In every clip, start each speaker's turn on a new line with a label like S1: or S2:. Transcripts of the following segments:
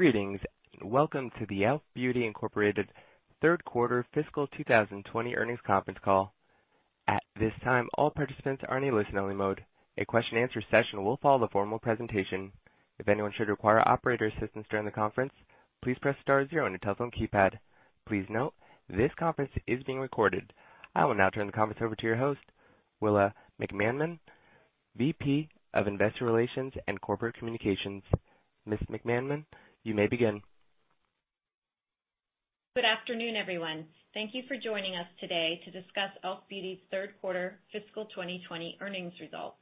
S1: Greetings, and welcome to the e.l.f. Beauty, Inc. third quarter fiscal 2020 earnings conference call. At this time, all participants are in a listen-only mode. A question answer session will follow the formal presentation. If anyone should require operator assistance during the conference, please press star zero on your telephone keypad. Please note, this conference is being recorded. I will now turn the conference over to your host, Willa McManmon, VP of Investor Relations and Corporate Communications. Ms. McManmon, you may begin.
S2: Good afternoon, everyone. Thank you for joining us today to discuss e.l.f. Beauty's third quarter fiscal 2020 earnings results.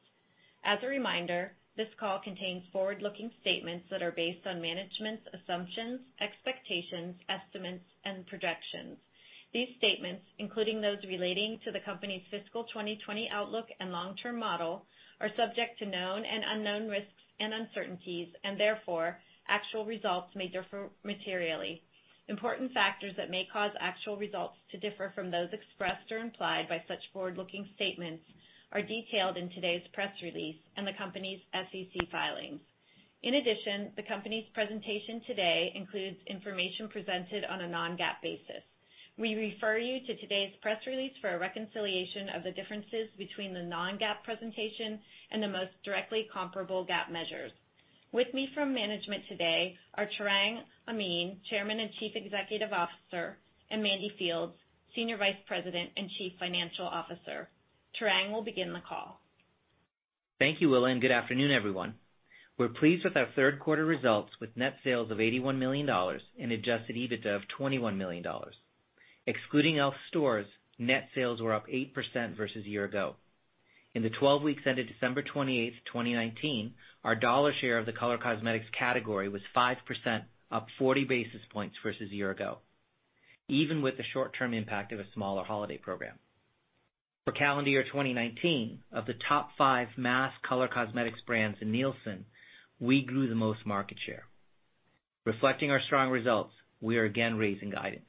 S2: As a reminder, this call contains forward-looking statements that are based on management's assumptions, expectations, estimates, and projections. These statements, including those relating to the company's fiscal 2020 outlook and long-term model, are subject to known and unknown risks and uncertainties, and therefore, actual results may differ materially. Important factors that may cause actual results to differ from those expressed or implied by such forward-looking statements are detailed in today's press release and the company's SEC filings. In addition, the company's presentation today includes information presented on a non-GAAP basis. We refer you to today's press release for a reconciliation of the differences between the non-GAAP presentation and the most directly comparable GAAP measures. With me from management today are Tarang Amin, Chairman and Chief Executive Officer, and Mandy Fields, Senior Vice President and Chief Financial Officer. Tarang will begin the call.
S3: Thank you, Willa. Good afternoon, everyone. We're pleased with our third quarter results with net sales of $81 million and adjusted EBITDA of $21 million. Excluding e.l.f. stores, net sales were up 8% versus a year ago. In the 12 weeks ended December 28th, 2019, our dollar share of the color cosmetics category was 5%, up 40 basis points versus a year ago, even with the short-term impact of a smaller holiday program. For calendar year 2019, of the top five mass color cosmetics brands in Nielsen, we grew the most market share. Reflecting our strong results, we are again raising guidance.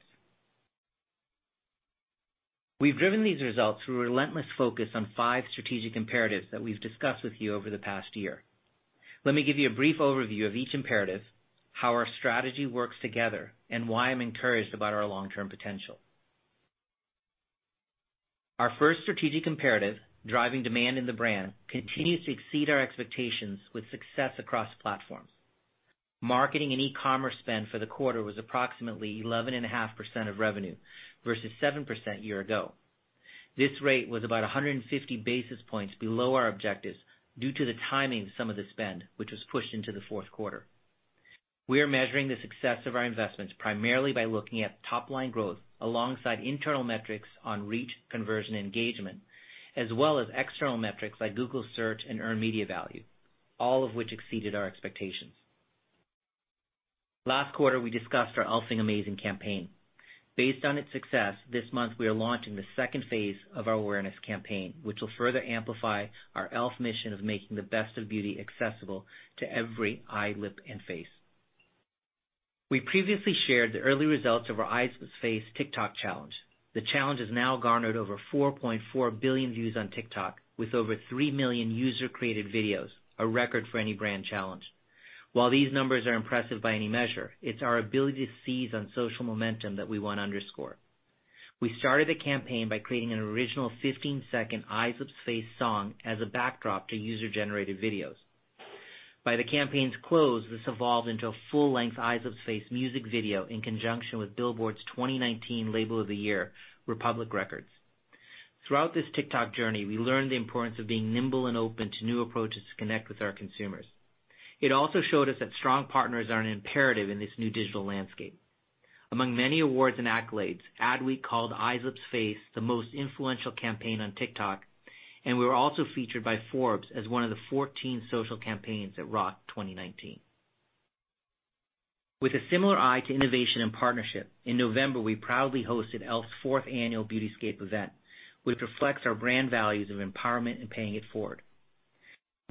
S3: We've driven these results through relentless focus on five strategic imperatives that we've discussed with you over the past year. Let me give you a brief overview of each imperative, how our strategy works together, and why I'm encouraged about our long-term potential. Our first strategic imperative, driving demand in the brand, continues to exceed our expectations with success across platforms. Marketing and e-commerce spend for the quarter was approximately 11.5% of revenue versus 7% a year ago. This rate was about 150 basis points below our objectives due to the timing of some of the spend, which was pushed into the fourth quarter. We are measuring the success of our investments primarily by looking at top-line growth alongside internal metrics on reach, conversion, engagement, as well as external metrics like Google Search and earned media value, all of which exceeded our expectations. Last quarter, we discussed our e.l.f.ing amazing campaign. Based on its success, this month, we are launching the second phase of our awareness campaign, which will further amplify our e.l.f. mission of making the best of beauty accessible to every eye, lip, and face. We previously shared the early results of our eyes. lips.face. TikTok challenge. The challenge has now garnered over 4.4 billion views on TikTok, with over 3 million user-created videos, a record for any brand challenge. While these numbers are impressive by any measure, it's our ability to seize on social momentum that we want to underscore. We started the campaign by creating an original 15-second eyes. lips.face. song as a backdrop to user-generated videos. By the campaign's close, this evolved into a full-length eyes. lips.face. music video in conjunction with Billboard's 2019 Label of the Year, Republic Records. Throughout this TikTok journey, we learned the importance of being nimble and open to new approaches to connect with our consumers. It also showed us that strong partners are an imperative in this new digital landscape. Among many awards and accolades, Adweek called eyes. lips.face. the most influential campaign on TikTok, and we were also featured by Forbes as one of the 14 social campaigns that rocked 2019. With a similar eye to innovation and partnership, in November, we proudly hosted e.l.f.'s fourth annual Beauty Escape event, which reflects our brand values of empowerment and paying it forward.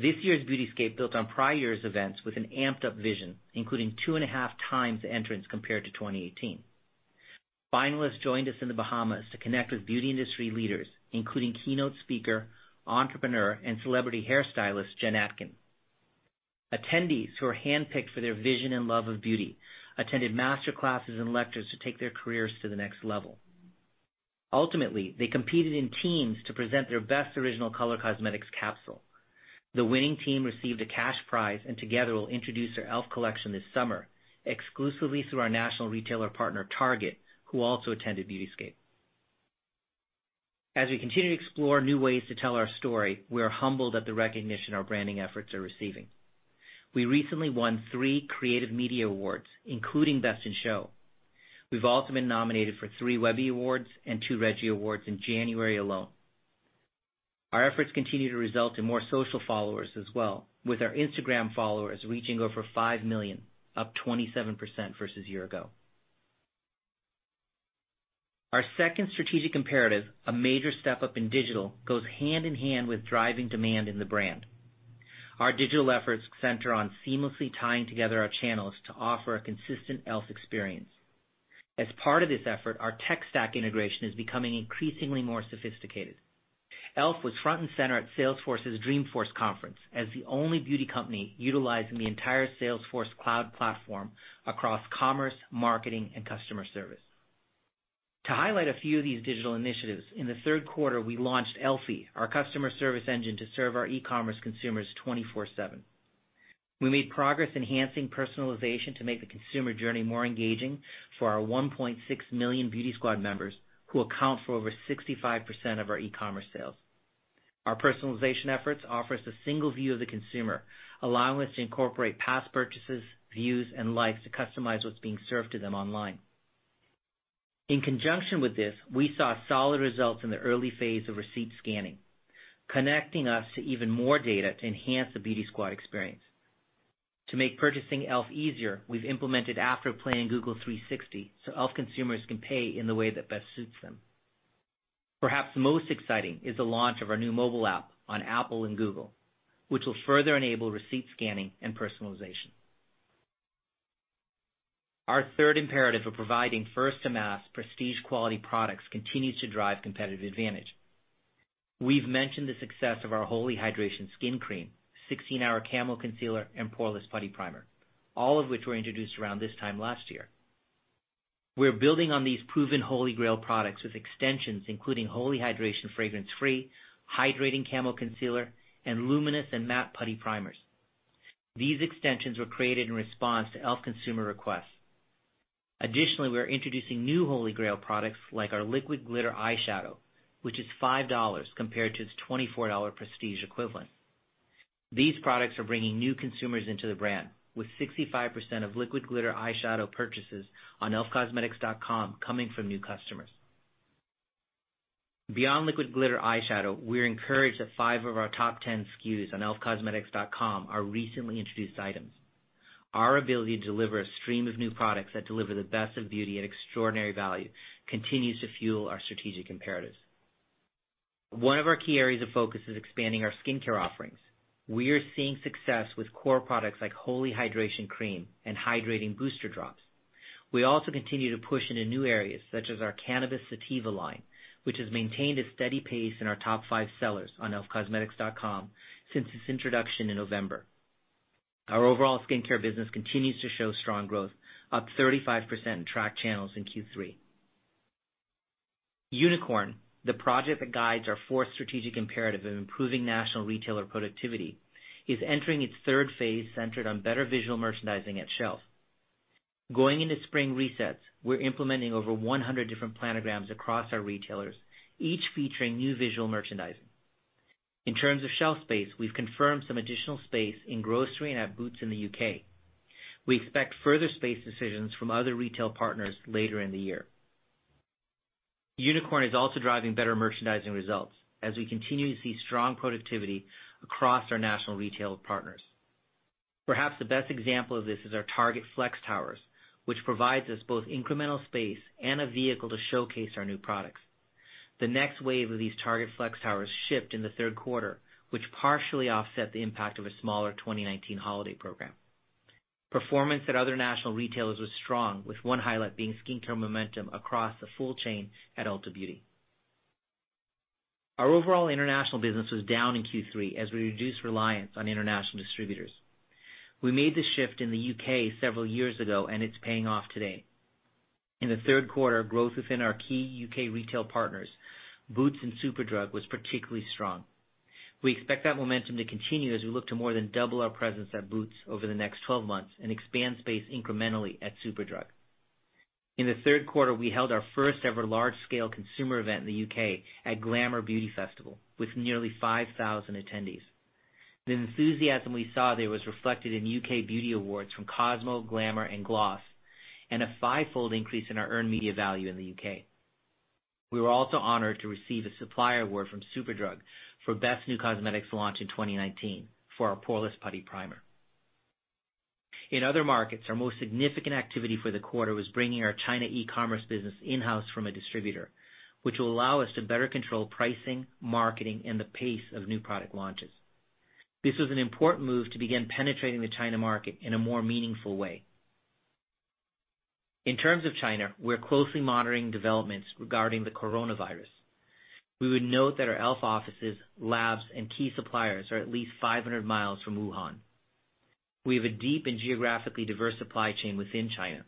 S3: This year's Beauty Escape built on prior years' events with an amped-up vision, including 2.5x The entrants compared to 2018. Finalists joined us in the Bahamas to connect with beauty industry leaders, including keynote speaker, entrepreneur, and celebrity hairstylist Jen Atkin. Attendees, who were handpicked for their vision and love of beauty, attended master classes and lectures to take their careers to the next level. Ultimately, they competed in teams to present their best original color cosmetics capsule. The winning team received a cash prize and together will introduce their e.l.f. collection this summer exclusively through our national retailer partner, Target, who also attended Beauty Escape. As we continue to explore new ways to tell our story, we are humbled at the recognition our branding efforts are receiving. We recently won three Creative Media Awards, including Best in Show. We've also been nominated for three Webby Awards and two REGGIE Awards in January alone. Our efforts continue to result in more social followers as well, with our Instagram followers reaching over five million, up 27% versus a year ago. Our second strategic imperative, a major step-up in digital, goes hand in hand with driving demand in the brand. Our digital efforts center on seamlessly tying together our channels to offer a consistent e.l.f. experience. As part of this effort, our tech stack integration is becoming increasingly more sophisticated. E.l.f. Was front and center at Salesforce's Dreamforce Conference as the only beauty company utilizing the entire Salesforce Cloud Platform across commerce, marketing, and customer service. To highlight a few of these digital initiatives, in the third quarter, we launched e.l.f.ie, our customer service engine to serve our e-commerce consumers 24/7. We made progress enhancing personalization to make the consumer journey more engaging for our 1.6 million Beauty Squad members, who account for over 65% of our e-commerce sales. Our personalization efforts offer us a single view of the consumer, allowing us to incorporate past purchases, views, and likes to customize what's being served to them online. In conjunction with this, we saw solid results in the early phase of receipt scanning, connecting us to even more data to enhance the Beauty Squad experience. To make purchasing e.l.f. easier, we've implemented Afterpay and Google 360, e.l.f. Consumers can pay in the way that best suits them. Perhaps most exciting is the launch of our new mobile app on Apple and Google, which will further enable receipt scanning and personalization. Our third imperative of providing first-to-mass prestige quality products continues to drive competitive advantage. We've mentioned the success of our Holy Hydration! skin cream, 16-Hour Camo Concealer, and Poreless Putty Primer, all of which were introduced around this time last year. We're building on these proven holy grail products with extensions including Holy Hydration! Fragrance Free, Hydrating Camo Concealer, and Luminous and Matte Putty Primers. These extensions were created in response to e.l.f. consumer requests. Additionally, we are introducing new holy grail products like our Liquid Glitter Eyeshadow, which is $5 compared to its $24 prestige equivalent. These products are bringing new consumers into the brand, with 65% of Liquid Glitter Eyeshadow purchases on elfcosmetics.com coming from new customers. Beyond Liquid Glitter Eyeshadow, we're encouraged that five of our top 10 SKUs on elfcosmetics.com are recently introduced items. Our ability to deliver a stream of new products that deliver the best of beauty at extraordinary value continues to fuel our strategic imperatives. One of our key areas of focus is expanding our skincare offerings. We are seeing success with core products like Holy Hydration! Face Cream and Hydrating Booster Drops. We also continue to push into new areas such as our Cannabis Sativa Collection, which has maintained a steady pace in our top five sellers on elfcosmetics.com since its introduction in November. Our overall skincare business continues to show strong growth, up 35% in tracked channels in Q3. Unicorn, the project that guides our fourth strategic imperative of improving national retailer productivity, is entering its third phase centered on better visual merchandising at shelf. Going into spring resets, we're implementing over 100 different planograms across our retailers, each featuring new visual merchandising. In terms of shelf space, we've confirmed some additional space in grocery and at Boots in the U.K. We expect further space decisions from other retail partners later in the year. Project Unicorn is also driving better merchandising results as we continue to see strong productivity across our national retail partners. Perhaps the best example of this is our Target Flex towers, which provides us both incremental space and a vehicle to showcase our new products. The next wave of these Target Flex towers shipped in the third quarter, which partially offset the impact of a smaller 2019 holiday program. Performance at other national retailers was strong, with one highlight being skincare momentum across the full chain at Ulta Beauty. Our overall international business was down in Q3 as we reduced reliance on international distributors. We made this shift in the U.K. several years ago, and it's paying off today. In the third quarter, growth within our key U.K. retail partners, Boots and Superdrug, was particularly strong. We expect that momentum to continue as we look to more than double our presence at Boots over the next 12 months and expand space incrementally at Superdrug. In the third quarter, we held our first ever large-scale consumer event in the U.K. at Glamour Beauty Festival with nearly 5,000 attendees. The enthusiasm we saw there was reflected in U.K. beauty awards from Cosmo, Glamour, and Glossy, and a five-fold increase in our earned media value in the U.K. We were also honored to receive a supplier award from Superdrug for best new cosmetics launch in 2019 for our Poreless Putty Primer. In other markets, our most significant activity for the quarter was bringing our China e-commerce business in-house from a distributor, which will allow us to better control pricing, marketing, and the pace of new product launches. This was an important move to begin penetrating the China market in a more meaningful way. In terms of China, we're closely monitoring developments regarding the coronavirus. We would note that our e.l.f. offices, labs, and key suppliers are at least 500 miles from Wuhan. We have a deep and geographically diverse supply chain within China.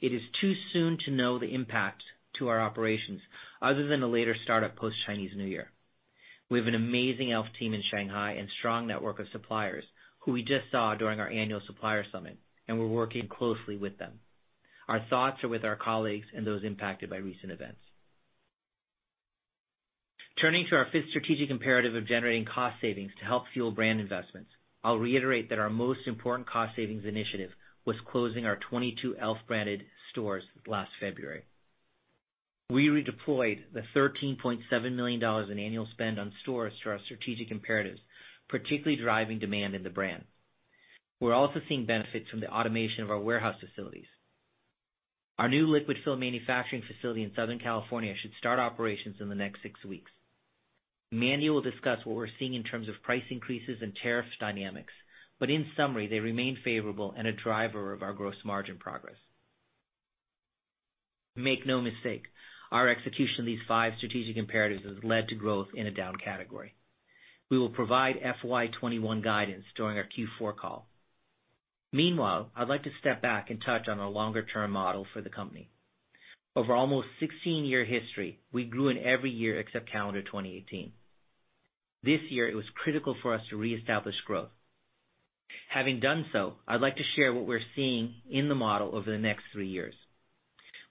S3: It is too soon to know the impact to our operations other than a later start up post Chinese New Year. We have an amazing e.l.f. Team in Shanghai and strong network of suppliers who we just saw during our annual supplier summit. We're working closely with them. Our thoughts are with our colleagues and those impacted by recent events. Turning to our fifth strategic imperative of generating cost savings to help fuel brand investments, I'll reiterate that our most important cost savings initiative was closing our 22 e.l.f.-branded stores last February. We redeployed the $13.7 million in annual spend on stores to our strategic imperatives, particularly driving demand in the brand. We're also seeing benefits from the automation of our warehouse facilities. Our new liquid fill manufacturing facility in Southern California should start operations in the next six weeks. Mandy will discuss what we're seeing in terms of price increases and tariff dynamics, but in summary, they remain favorable and a driver of our gross margin progress. Make no mistake, our execution of these five strategic imperatives has led to growth in a down category. We will provide FY 2021 guidance during our Q4 call. Meanwhile, I'd like to step back and touch on our longer-term model for the company. Over almost 16-year history, we grew in every year except calendar 2018. This year, it was critical for us to reestablish growth. Having done so, I'd like to share what we're seeing in the model over the next three years.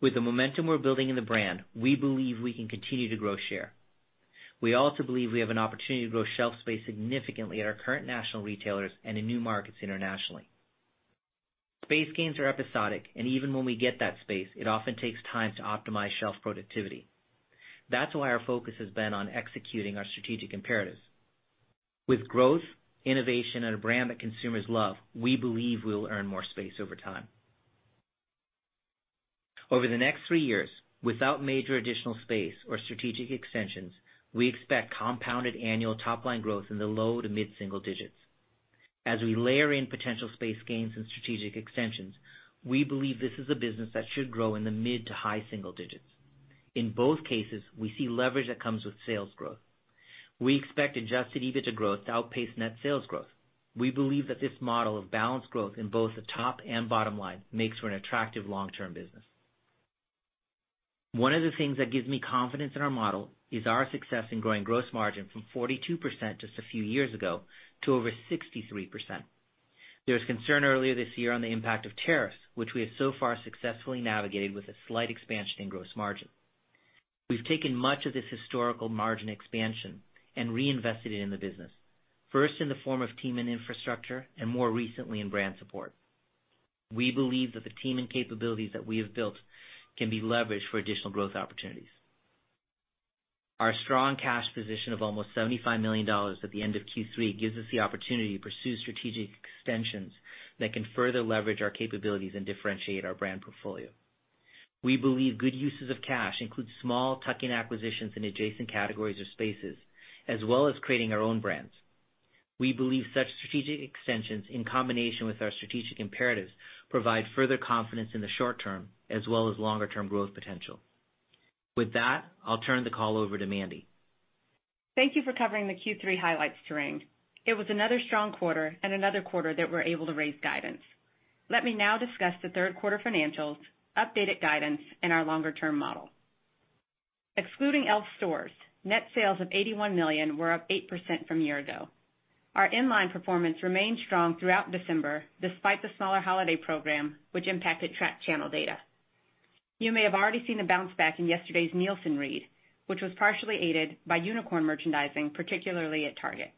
S3: With the momentum we're building in the brand, we believe we can continue to grow share. We also believe we have an opportunity to grow shelf space significantly at our current national retailers and in new markets internationally. Space gains are episodic, and even when we get that space, it often takes time to optimize shelf productivity. That's why our focus has been on executing our strategic imperatives. With growth, innovation, and a brand that consumers love, we believe we will earn more space over time. Over the next three years, without major additional space or strategic extensions, we expect compounded annual top-line growth in the low to mid-single digits. As we layer in potential space gains and strategic extensions, we believe this is a business that should grow in the mid to high single digits. In both cases, we see leverage that comes with sales growth. We expect adjusted EBITDA growth to outpace net sales growth. We believe that this model of balanced growth in both the top and bottom line makes for an attractive long-term business. One of the things that gives me confidence in our model is our success in growing gross margin from 42% just a few years ago to over 63%. There was concern earlier this year on the impact of tariffs, which we have so far successfully navigated with a slight expansion in gross margin. We've taken much of this historical margin expansion and reinvested it in the business, first in the form of team and infrastructure, and more recently in brand support. We believe that the team and capabilities that we have built can be leveraged for additional growth opportunities. Our strong cash position of almost $75 million at the end of Q3 gives us the opportunity to pursue strategic extensions that can further leverage our capabilities and differentiate our brand portfolio. We believe good uses of cash include small tuck-in acquisitions in adjacent categories or spaces, as well as creating our own brands. We believe such strategic extensions, in combination with our strategic imperatives, provide further confidence in the short term as well as longer-term growth potential. With that, I'll turn the call over to Mandy.
S4: Thank you for covering the Q3 highlights, Tarang. It was another strong quarter and another quarter that we're able to raise guidance. Let me now discuss the third quarter financials, updated guidance, and our longer-term model. Excluding e.l.f. stores, net sales of $81 million were up 8% from a year ago. Our inline performance remained strong throughout December, despite the smaller holiday program, which impacted track channel data. You may have already seen a bounce-back in yesterday's Nielsen read, which was partially aided by unicorn merchandising, particularly at Target.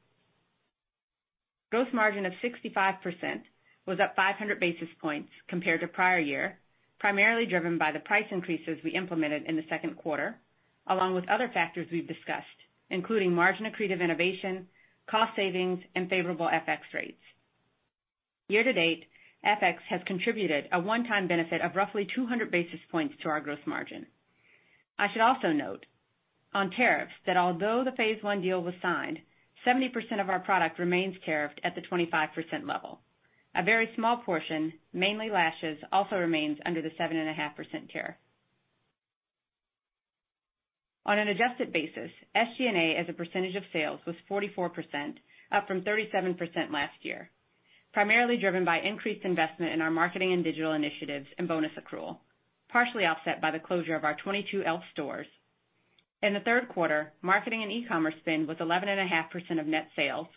S4: Gross margin of 65% was up 500 basis points compared to prior year, primarily driven by the price increases we implemented in the second quarter, along with other factors we've discussed, including margin-accretive innovation, cost savings, and favorable FX rates. Year-to-date, FX has contributed a one-time benefit of roughly 200 basis points to our gross margin. I should also note on tariffs that although the phase one deal was signed, 70% of our product remains tariffed at the 25% level. A very small portion, mainly lashes, also remains under the 7.5% tariff. On an adjusted basis, SG&A as a percentage of sales was 44%, up from 37% last year, primarily driven by increased investment in our marketing and digital initiatives and bonus accrual, partially offset by the closure of our 22 e.l.f. stores. In the third quarter, marketing and e-commerce spend was 11.5% of net sales,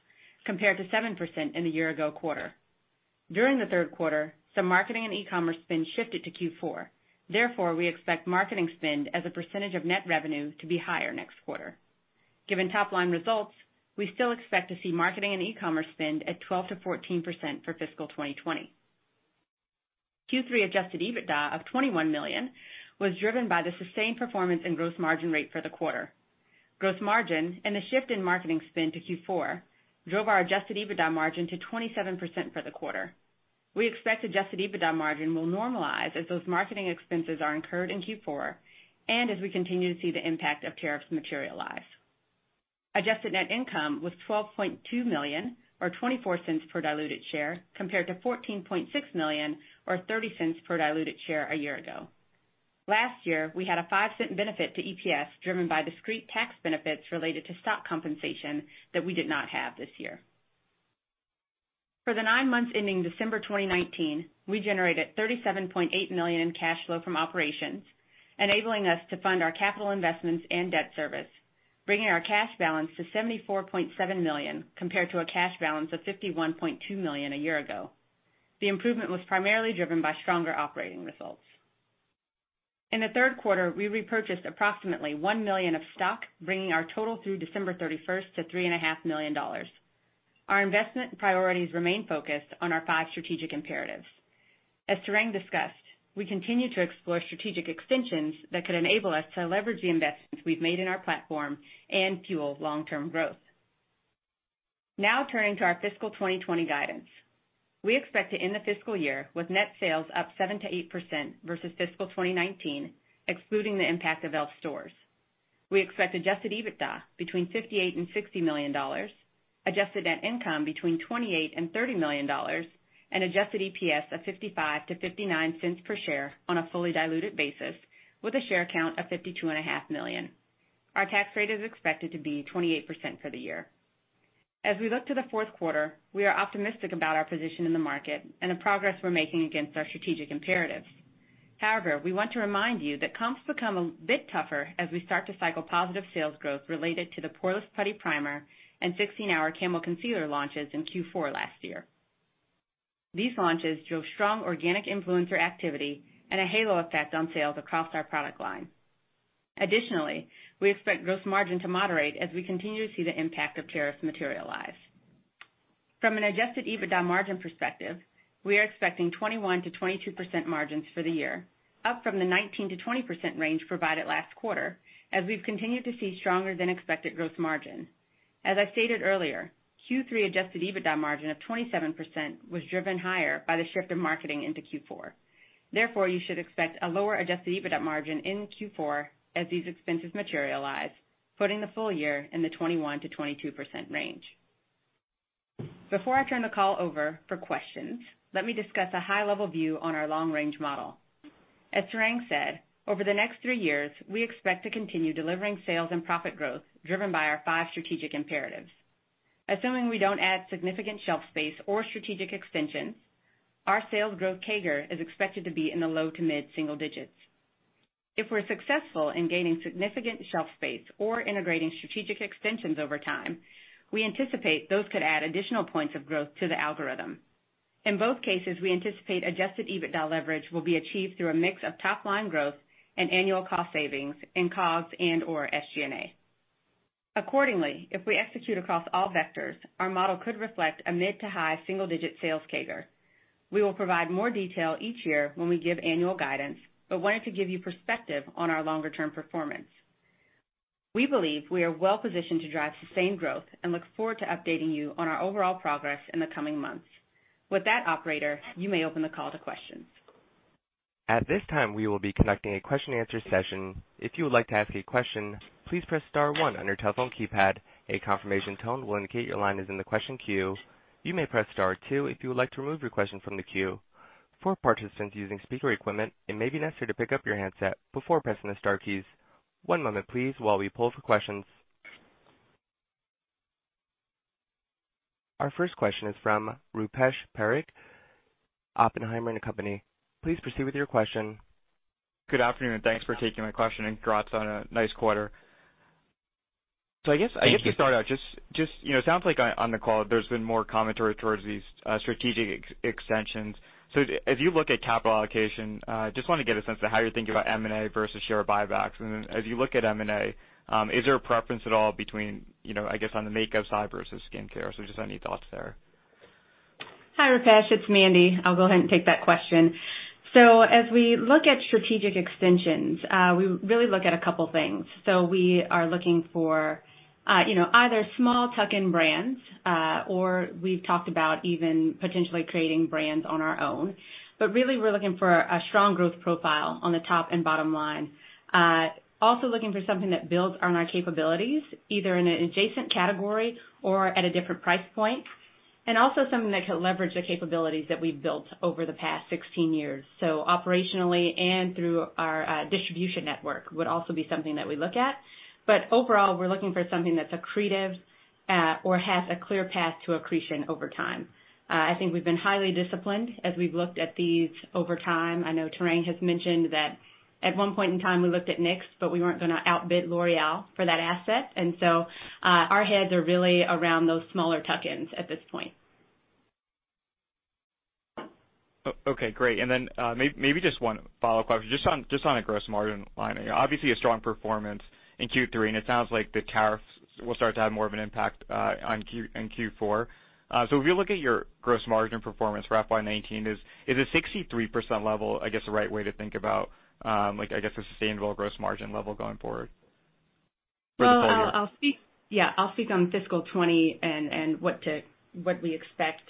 S4: compared to 7% in the year ago quarter. During the third quarter, some marketing and e-commerce spend shifted to Q4. Therefore, we expect marketing spend as a percentage of net revenue to be higher next quarter. Given top-line results, we still expect to see marketing and e-commerce spend at 12%-14% for fiscal 2020. Q3 adjusted EBITDA of $21 million was driven by the sustained performance and gross margin rate for the quarter. Gross margin and the shift in marketing spend to Q4 drove our adjusted EBITDA margin to 27% for the quarter. We expect adjusted EBITDA margin will normalize as those marketing expenses are incurred in Q4 and as we continue to see the impact of tariffs materialize. Adjusted net income was $12.2 million, or $0.24 per diluted share, compared to $14.6 million, or $0.30 per diluted share a year ago. Last year, we had a $0.05 benefit to EPS driven by discrete tax benefits related to stock compensation that we did not have this year. For the nine months ending December 2019, we generated $37.8 million in cash flow from operations, enabling us to fund our capital investments and debt service, bringing our cash balance to $74.7 million, compared to a cash balance of $51.2 million a year ago. The improvement was primarily driven by stronger operating results. In the third quarter, we repurchased approximately $1 million of stock, bringing our total through December 31st to $3.5 million. Our investment priorities remain focused on our five strategic imperatives. As Tarang discussed, we continue to explore strategic extensions that could enable us to leverage the investments we've made in our platform and fuel long-term growth. Turning to our fiscal 2020 guidance. We expect to end the fiscal year with net sales up 7%-8% versus fiscal 2019, excluding the impact of e.l.f. stores. We expect adjusted EBITDA between $58 and $60 million, adjusted net income between $28 million and $30 million, and adjusted EPS of $0.55-$0.59 per share on a fully diluted basis with a share count of 52.5 million. Our tax rate is expected to be 28% for the year. As we look to the fourth quarter, we are optimistic about our position in the market and the progress we're making against our strategic imperatives. However, we want to remind you that comps become a bit tougher as we start to cycle positive sales growth related to the Poreless Putty Primer and 16-Hour Camo Concealer launches in Q4 last year. These launches drove strong organic influencer activity and a halo effect on sales across our product line. Additionally, we expect gross margin to moderate as we continue to see the impact of tariffs materialize. From an adjusted EBITDA margin perspective, we are expecting 21%-22% margins for the year, up from the 19%-20% range provided last quarter, as we've continued to see stronger than expected gross margin. As I stated earlier, Q3 adjusted EBITDA margin of 27% was driven higher by the shift in marketing into Q4. Therefore, you should expect a lower adjusted EBITDA margin in Q4 as these expenses materialize, putting the full year in the 21%-22% range. Before I turn the call over for questions, let me discuss a high-level view on our long-range model. As Tarang said, over the next three years, we expect to continue delivering sales and profit growth driven by our five strategic imperatives. Assuming we don't add significant shelf space or strategic extensions, our sales growth CAGR is expected to be in the low to mid-single digits. If we're successful in gaining significant shelf space or integrating strategic extensions over time, we anticipate those could add additional points of growth to the algorithm. In both cases, we anticipate adjusted EBITDA leverage will be achieved through a mix of top-line growth and annual cost savings in COGS and/or SG&A. Accordingly, if we execute across all vectors, our model could reflect a mid to high single-digit sales CAGR. We will provide more detail each year when we give annual guidance, but wanted to give you perspective on our longer-term performance. We believe we are well-positioned to drive sustained growth and look forward to updating you on our overall progress in the coming months. With that, operator, you may open the call to questions.
S1: At this time, we will be conducting a question and answer session. If you would like to ask a question, please press star one on your telephone keypad. A confirmation tone will indicate your line is in the question queue. You may press star two if you would like to remove your question from the queue. For participants using speaker equipment, it may be necessary to pick up your handset before pressing the star keys. One moment please while we pull for questions. Our first question is from Rupesh Parikh, Oppenheimer & Co.. Please proceed with your question.
S5: Good afternoon. Thanks for taking my question, and congrats on a nice quarter.
S4: Thank you.
S5: I guess to start out, it sounds like on the call there's been more commentary towards these strategic extensions. As you look at capital allocation, just want to get a sense of how you're thinking about M&A versus share buybacks. As you look at M&A, is there a preference at all between, I guess, on the makeup side versus skincare? Just any thoughts there.
S4: Hi, Rupesh. It's Mandy. I'll go ahead and take that question. As we look at strategic extensions, we really look at a couple things. We are looking for either small tuck-in brands, or we've talked about even potentially creating brands on our own. Really, we're looking for a strong growth profile on the top and bottom line. Also looking for something that builds on our capabilities, either in an adjacent category or at a different price point. Also something that can leverage the capabilities that we've built over the past 16 years. Operationally and through our distribution network would also be something that we look at. Overall, we're looking for something that's accretive or has a clear path to accretion over time. I think we've been highly disciplined as we've looked at these over time. I know Tarang has mentioned that at one point in time we looked at NYX, but we weren't going to outbid L'Oréal for that asset. Our heads are really around those smaller tuck-ins at this point.
S5: Okay, great. Maybe just one follow-up question. Just on a gross margin line. Obviously a strong performance in Q3. It sounds like the tariffs will start to have more of an impact in Q4. If you look at your gross margin performance for FY 2019, is a 63% level, I guess, the right way to think about, a sustainable gross margin level going forward for the full year?
S4: Yeah. I'll speak on fiscal 2020 and what we expect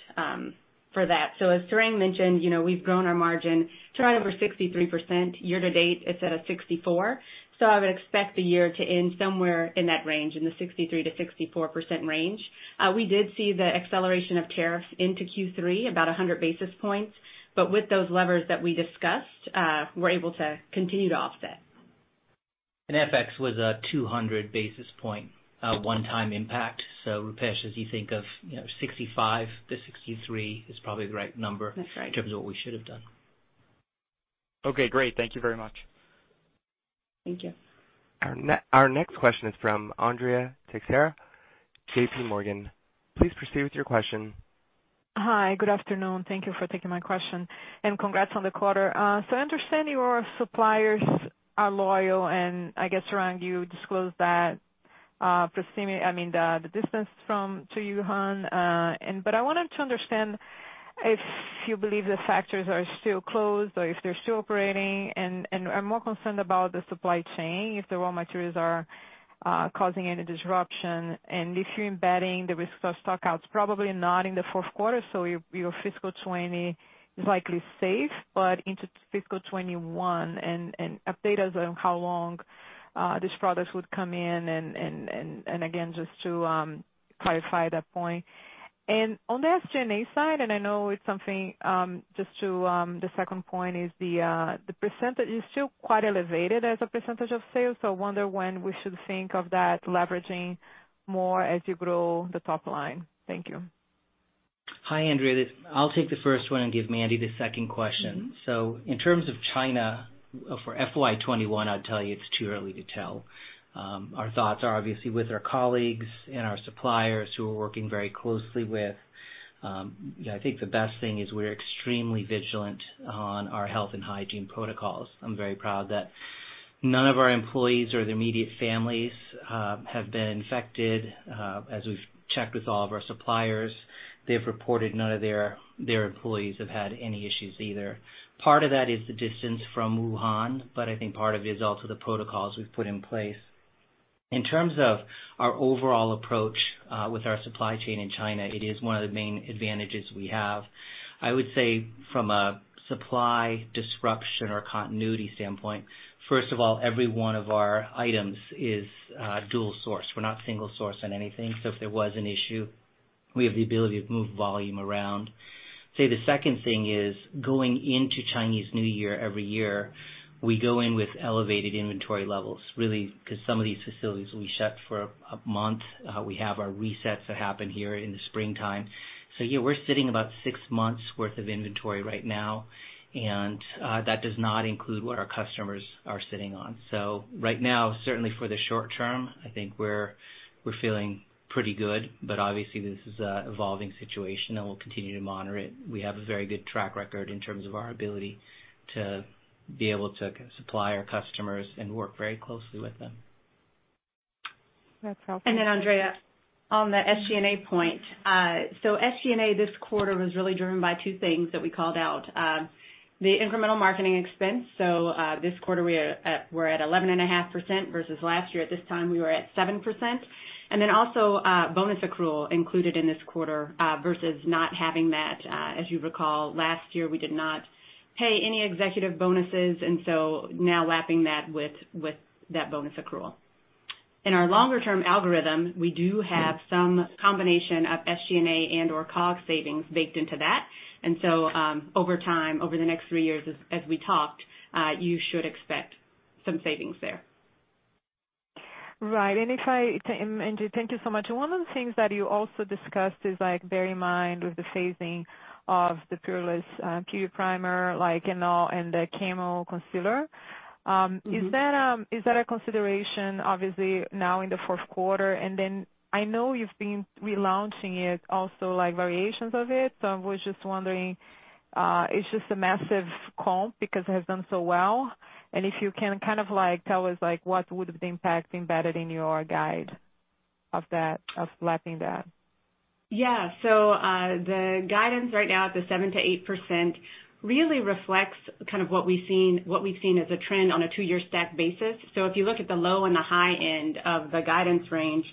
S4: for that. As Tarang mentioned, we've grown our margin to right over 63%. Year-to-date, it's at a 64%. I would expect the year to end somewhere in that range, in the 63%-64% range. We did see the acceleration of tariffs into Q3 about 100 basis points. With those levers that we discussed, we're able to continue to offset.
S3: FX was a 200-basis point one-time impact. Rupesh, as you think of 65%-63% is probably the right number. That's right. In terms of what we should've done.
S5: Okay, great. Thank you very much.
S4: Thank you.
S1: Our next question is from Andrea Teixeira, JPMorgan. Please proceed with your question.
S6: Hi. Good afternoon. Thank you for taking my question, and congrats on the quarter. I understand your suppliers are loyal, and I guess, Tarang, you disclosed the distance to Wuhan. I wanted to understand if you believe the factories are still closed or if they're still operating. I'm more concerned about the supply chain, if the raw materials are causing any disruption, and if you're embedding the risk of stock-outs, probably not in the fourth quarter, so your fiscal 2020 is likely safe, but into fiscal 2021. Update us on how long these products would come in, and again, just to clarify that point. On the SG&A side, and I know it's something just to the second point is the percentage is still quite elevated as a percentage of sales. I wonder when we should think of that leveraging more as you grow the top line. Thank you.
S3: Hi, Andrea. I'll take the first one and give Mandy the second question. In terms of China for FY 2021, I'd tell you it's too early to tell. Our thoughts are obviously with our colleagues and our suppliers who we're working very closely with. I think the best thing is we're extremely vigilant on our health and hygiene protocols. I'm very proud that none of our employees or their immediate families have been infected, as we've checked with all of our suppliers. They've reported none of their employees have had any issues either. Part of that is the distance from Wuhan, but I think part of it is also the protocols we've put in place. In terms of our overall approach, with our supply chain in China, it is one of the main advantages we have. I would say from a supply disruption or continuity standpoint, first of all, every one of our items is dual source. We're not single source on anything. If there was an issue, we have the ability to move volume around. The second thing is, going into Chinese New Year every year, we go in with elevated inventory levels, really, because some of these facilities will be shut for a month. We have our resets that happen here in the springtime. Yeah, we're sitting about six months worth of inventory right now, and that does not include what our customers are sitting on. Right now, certainly for the short term, I think we're feeling pretty good. Obviously this is an evolving situation and we'll continue to monitor it. We have a very good track record in terms of our ability to be able to supply our customers and work very closely with them.
S6: That's helpful.
S4: Andrea, on the SG&A point. SG&A this quarter was really driven by two things that we called out. The incremental marketing expense, so, this quarter we're at 11.5% versus last year at this time, we were at 7%. Also, bonus accrual included in this quarter, versus not having that, as you recall, last year, we did not pay any executive bonuses. Now lapping that with that bonus accrual. In our longer term algorithm, we do have some combination of SG&A and/or COGS savings baked into that. Over time, over the next three years, as we talked, you should expect some savings there.
S6: Right, [and if I ...] Thank you so much. One of the things that you also discussed is like bear in mind with the phasing of the Poreless Putty Primer, and the Camo Concealer. Is that a consideration obviously now in the fourth quarter? I know you've been relaunching it also, like variations of it. I was just wondering, it's just a massive comp because it has done so well. If you can kind of tell us what would the impact embedded in your guide of lapping that?
S4: The guidance right now at the 7%-8% really reflects kind of what we've seen as a trend on a two-year stacked basis. If you look at the low and the high end of the guidance range,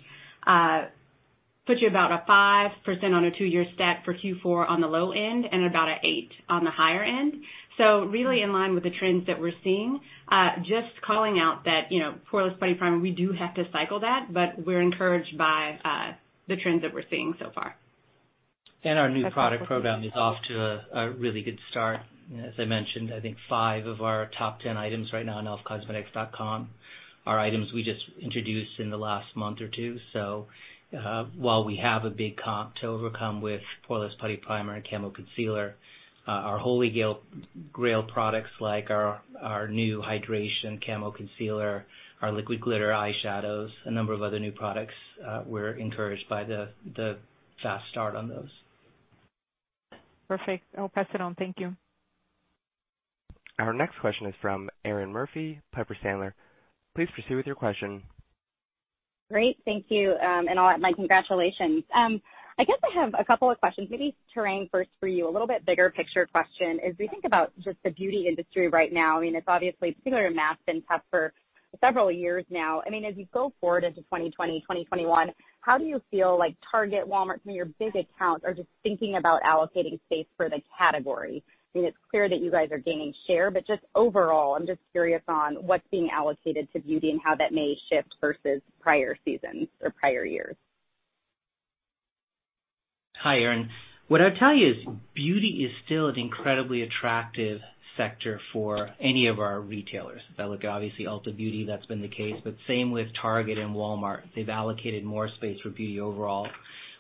S4: puts you about a 5% on a two-year stack for Q4 on the low end, and about a eight on the higher end. Really in line with the trends that we're seeing. Just calling out that Poreless Putty Primer, we do have to cycle that, but we're encouraged by the trends that we're seeing so far.
S3: Our new product program is off to a really good start. As I mentioned, I think five of our top 10 items right now on elfcosmetics.com are items we just introduced in the last month or two. While we have a big comp to overcome with Poreless Putty Primer and Camo Concealer, our Holy Grail products like our new Hydrating Camo Concealer, our Liquid Glitter Eyeshadows, a number of other new products, we're encouraged by the fast start on those.
S6: Perfect. I'll pass it on. Thank you.
S1: Our next question is from Erinn Murphy, Piper Sandler. Please proceed with your question.
S7: Great. Thank you, and my congratulations. I have a couple of questions. Maybe, Tarang, first for you, a little bit bigger picture question. As we think about just the beauty industry right now, it's obviously, particularly mass, been tough for several years now. As you go forward into 2020, 2021, how do you feel like Target, Walmart, some of your big accounts are just thinking about allocating space for the category? It's clear that you guys are gaining share, but just overall, I'm just curious on what's being allocated to beauty and how that may shift versus prior seasons or prior years.
S3: Hi, Erinn. What I'd tell you is beauty is still an incredibly attractive sector for any of our retailers. If I look at obviously Ulta Beauty, that's been the case, but same with Target and Walmart. They've allocated more space for beauty overall.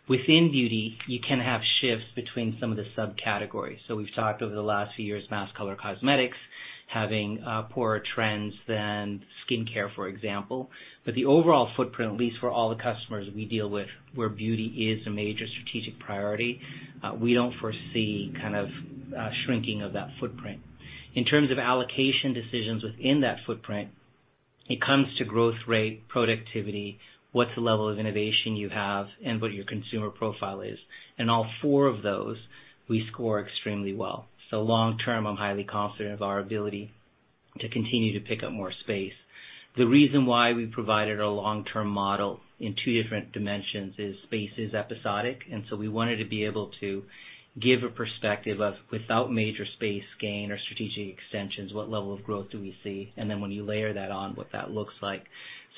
S3: Within beauty, you can have shifts between some of the subcategories. We've talked over the last few years, mass color cosmetics, having poorer trends than skincare, for example. The overall footprint, at least for all the customers we deal with, where beauty is a major strategic priority, we don't foresee kind of a shrinking of that footprint. In terms of allocation decisions within that footprint, it comes to growth rate, productivity, what's the level of innovation you have, and what your consumer profile is. In all four of those, we score extremely well. Long term, I'm highly confident of our ability to continue to pick up more space. The reason why we provided a long-term model in two different dimensions is space is episodic, we wanted to be able to give a perspective of, without major space gain or strategic extensions, what level of growth do we see? When you layer that on, what that looks like.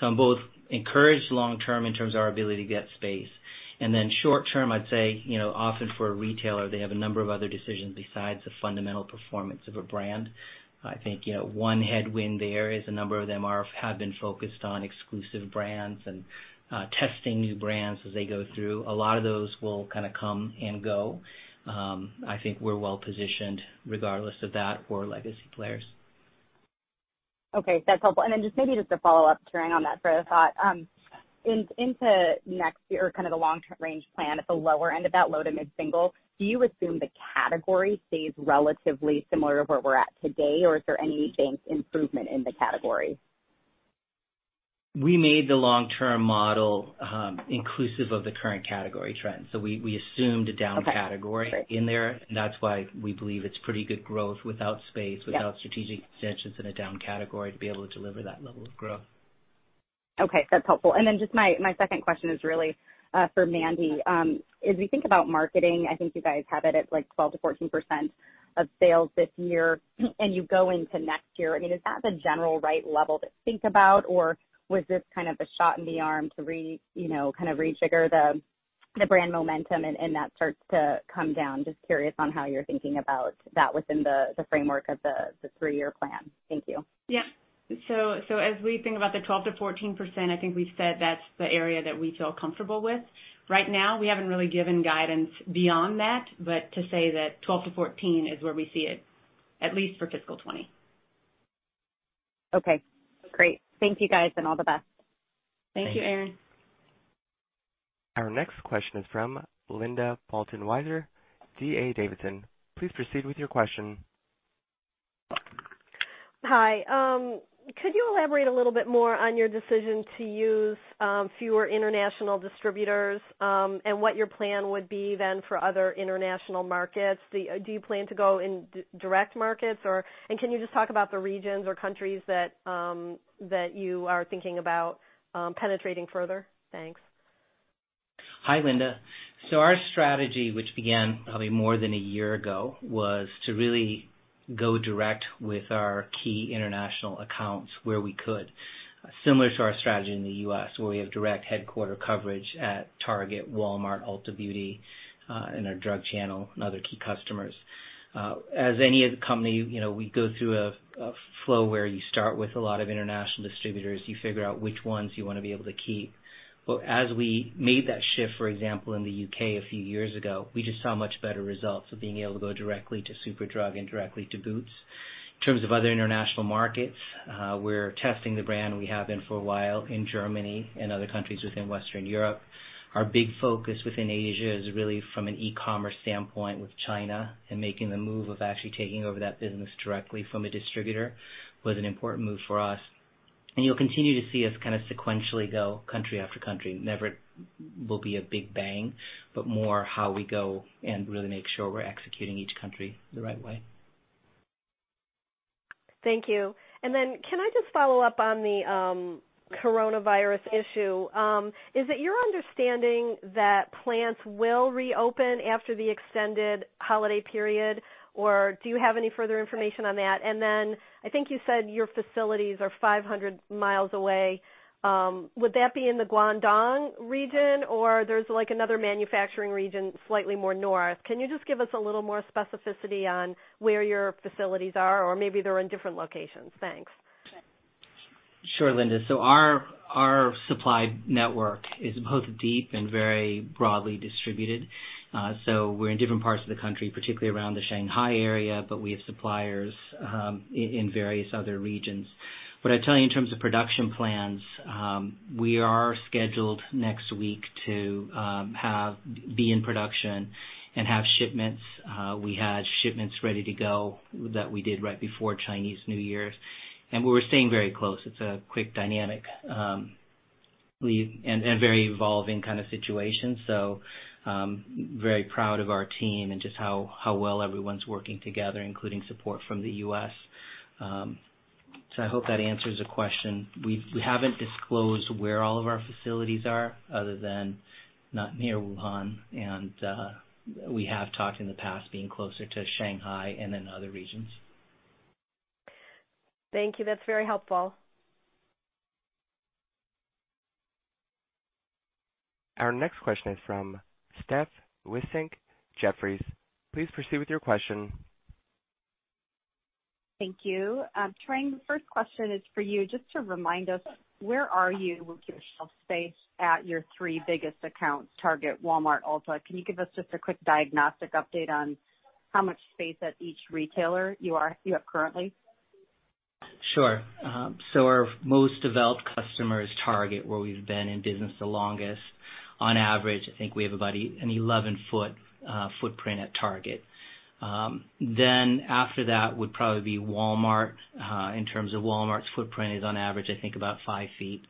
S3: I'm both encouraged long-term in terms of our ability to get space. Short-term, I'd say, often for a retailer, they have a number of other decisions besides the fundamental performance of a brand. I think one headwind there is a number of them have been focused on exclusive brands and testing new brands as they go through. A lot of those will kind of come and go. I think we're well-positioned regardless of that for legacy players.
S7: Okay, that's helpful. Then just maybe just a follow-up, Tarang, on that thread of thought. Into next year, kind of the long-term range plan at the lower end of that low to mid-single, do you assume the category stays relatively similar to where we're at today, or is there any improvement in the category?
S3: We made the long-term model inclusive of the current category trend. We assumed a down category in there. That's why we believe it's pretty good growth without space without strategic extensions in a down category to be able to deliver that level of growth.
S7: Okay, that's helpful. Just my second question is really for Mandy. As we think about marketing, I think you guys have it at 12%-14% of sales this year, and you go into next year. I mean, is that the general right level to think about, or was this kind of a shot in the arm to kind of re-trigger the brand momentum and that starts to come down? Just curious on how you're thinking about that within the framework of the three-year plan. Thank you.
S4: As we think about the 12%-14%, I think we've said that's the area that we feel comfortable with. Right now, we haven't really given guidance beyond that, but to say that 12%-14% is where we see it, at least for fiscal 2020.
S7: Okay, great. Thank you, guys, and all the best.
S3: Thanks.
S4: Thank you, Erinn.
S1: Our next question is from Linda Bolton Weiser, D.A. Davidson. Please proceed with your question.
S8: Hi. Could you elaborate a little bit more on your decision to use fewer international distributors, and what your plan would be then for other international markets? Do you plan to go in direct markets, and can you just talk about the regions or countries that you are thinking about penetrating further? Thanks.
S3: Hi, Linda. Our strategy, which began probably more than one year ago, was to really go direct with our key international accounts where we could, similar to our strategy in the U.S., where we have direct headquarter coverage at Target, Walmart, Ulta Beauty, and our drug channel and other key customers. As any other company, we go through a flow where you start with a lot of international distributors. You figure out which ones you want to be able to keep. As we made that shift, for example, in the U.K. a few years ago, we just saw much better results of being able to go directly to Superdrug and directly to Boots. In terms of other international markets, we're testing the brand, and we have been for a while in Germany and other countries within Western Europe. Our big focus within Asia is really from an e-commerce standpoint with China and making the move of actually taking over that business directly from a distributor was an important move for us. You'll continue to see us kind of sequentially go country after country. Never will be a big bang, but more how we go and really make sure we're executing each country the right way.
S8: Thank you. Can I just follow up on the coronavirus issue? Is it your understanding that plants will reopen after the extended holiday period, or do you have any further information on that? I think you said your facilities are 500 miles away. Would that be in the Guangdong region, or there's another manufacturing region slightly more north? Can you just give us a little more specificity on where your facilities are? Or maybe they're in different locations. Thanks.
S3: Sure, Linda. Our supply network is both deep and very broadly distributed. We're in different parts of the country, particularly around the Shanghai area, but we have suppliers in various other regions. What I'd tell you in terms of production plans, we are scheduled next week to be in production and have shipments. We had shipments ready to go that we did right before Chinese New Year. We're staying very close. It's a quick dynamic, and a very evolving kind of situation. Very proud of our team and just how well everyone's working together, including support from the U.S. I hope that answers the question. We haven't disclosed where all of our facilities are other than not near Wuhan, and we have talked in the past being closer to Shanghai and in other regions.
S8: Thank you. That's very helpful.
S1: Our next question is from Steph Wissink, Jefferies. Please proceed with your question.
S9: Thank you. Tarang, the first question is for you. Just to remind us, where are you with your shelf space at your three biggest accounts, Target, Walmart, Ulta? Can you give us just a quick diagnostic update on how much space at each retailer you have currently?
S3: Sure. Our most developed customer is Target, where we've been in business the longest. On average, I think we have about an 11-foot footprint at Target. After that would probably be Walmart. In terms of Walmart's footprint is on average, I think about five feet.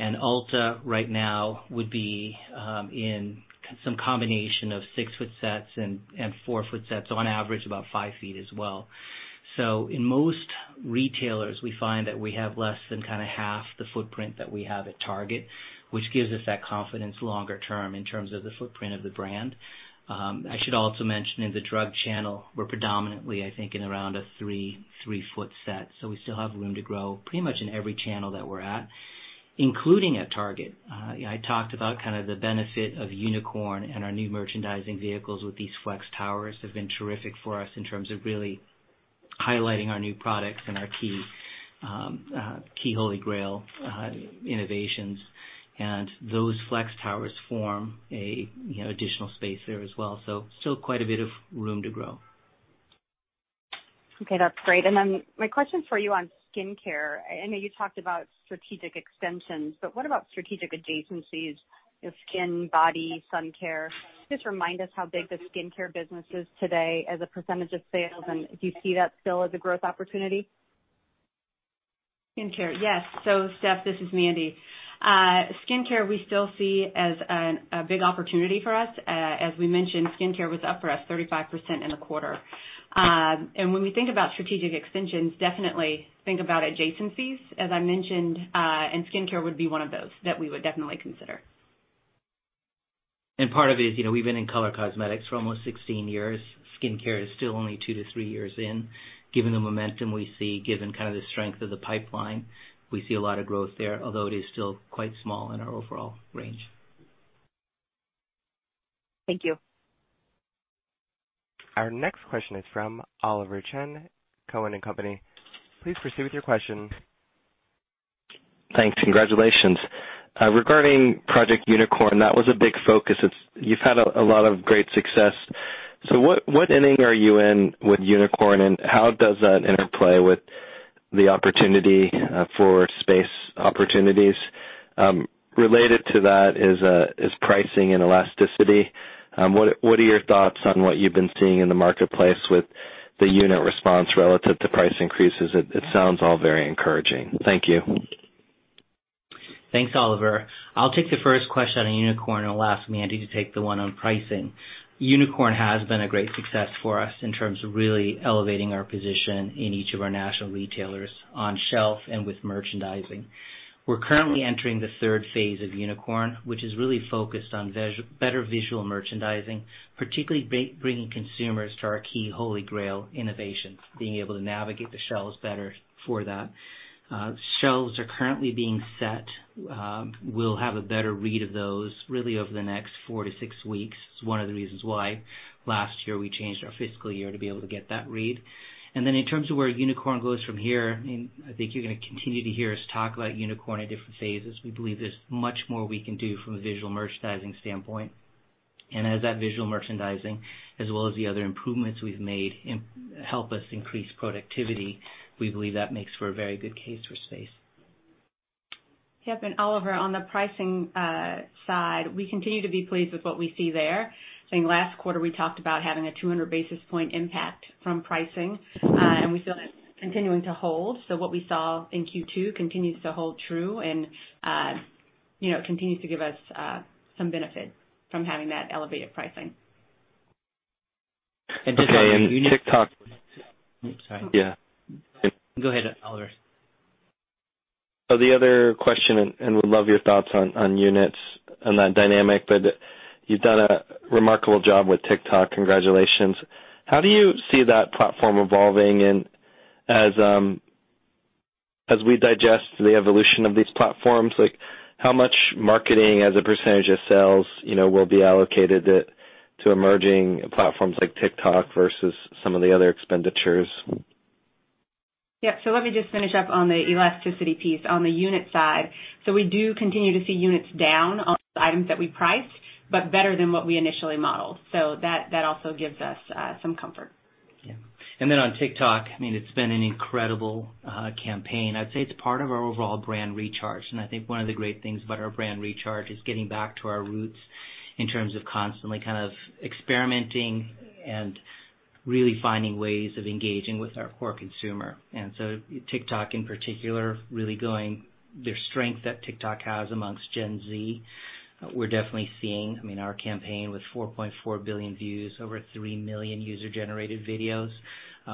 S3: Ulta right now would be in some combination of six-foot sets and four-foot sets, on average about five feet as well. In most retailers, we find that we have less than kind of half the footprint that we have at Target, which gives us that confidence longer term in terms of the footprint of the brand. I should also mention, in the drug channel, we're predominantly, I think, in around a three-foot set. We still have room to grow pretty much in every channel that we're at, including at Target. I talked about kind of the benefit of Unicorn and our new merchandising vehicles with these flex towers have been terrific for us in terms of really highlighting our new products and our key Holy Grail innovations. Those flex towers form additional space there as well. Still quite a bit of room to grow.
S9: Okay, that's great. My question for you on skincare, I know you talked about strategic extensions, but what about strategic adjacencies, skin, body, sun care? Just remind us how big the skincare business is today as a percentage of sales, and do you see that still as a growth opportunity?
S4: Skincare? Yes. Steph, this is Mandy. Skincare, we still see as a big opportunity for us. As we mentioned, Skincare was up for us 35% in the quarter. When we think about strategic extensions, definitely think about adjacencies, as I mentioned, and Skincare would be one of those that we would definitely consider.
S3: Part of it is, we've been in color cosmetics for almost 16 years. Skincare is still only two to three years in. Given the momentum we see, given kind of the strength of the pipeline, we see a lot of growth there, although it is still quite small in our overall range.
S9: Thank you.
S1: Our next question is from Oliver Chen, Cowen and Company. Please proceed with your question.
S10: Thanks. Congratulations. Regarding Project Unicorn, that was a big focus. You've had a lot of great success. What inning are you in with Unicorn, and how does that interplay with the opportunity for space opportunities? Related to that is pricing and elasticity. What are your thoughts on what you've been seeing in the marketplace with the unit response relative to price increases? It sounds all very encouraging. Thank you.
S3: Thanks, Oliver. I'll take the first question on Unicorn and I'll ask Mandy to take the one on pricing. Unicorn has been a great success for us in terms of really elevating our position in each of our national retailers on shelf and with merchandising. We're currently entering the third phase of Unicorn, which is really focused on better visual merchandising, particularly bringing consumers to our key Holy Grail innovations, being able to navigate the shelves better for that. Shelves are currently being set. We'll have a better read of those really over the next four to six weeks. It's one of the reasons why last year we changed our fiscal year to be able to get that read. Then in terms of where Unicorn goes from here, I think you're going to continue to hear us talk about Unicorn at different phases. We believe there's much more we can do from a visual merchandising standpoint. As that visual merchandising as well as the other improvements we've made help us increase productivity, we believe that makes for a very good case for space. Yep. Oliver, on the pricing side, we continue to be pleased with what we see there. Saying last quarter, we talked about having a 200 basis points impact from pricing, and we feel that's continuing to hold. What we saw in Q2 continues to hold true and continues to give us some benefit from having that elevated pricing. Just on the unit.
S10: Okay, and TikTok.
S3: Sorry.
S10: Yeah.
S3: Go ahead, Oliver.
S10: The other question, and would love your thoughts on units and that dynamic, but you've done a remarkable job with TikTok. Congratulations. How do you see that platform evolving? As we digest the evolution of these platforms, how much marketing as a percentage of sales will be allocated to emerging platforms like TikTok versus some of the other expenditures?
S4: Yep. Let me just finish up on the elasticity piece on the unit side. We do continue to see units down on items that we priced, but better than what we initially modeled. That also gives us some comfort.
S3: Yeah. On TikTok, it's been an incredible campaign. I'd say it's part of our overall brand recharge, and I think one of the great things about our brand recharge is getting back to our roots in terms of constantly kind of experimenting and really finding ways of engaging with our core consumer. TikTok in particular, the strength that TikTok has amongst Gen Z, we're definitely seeing. Our campaign with 4.4 billion views, over 3 million user-generated videos.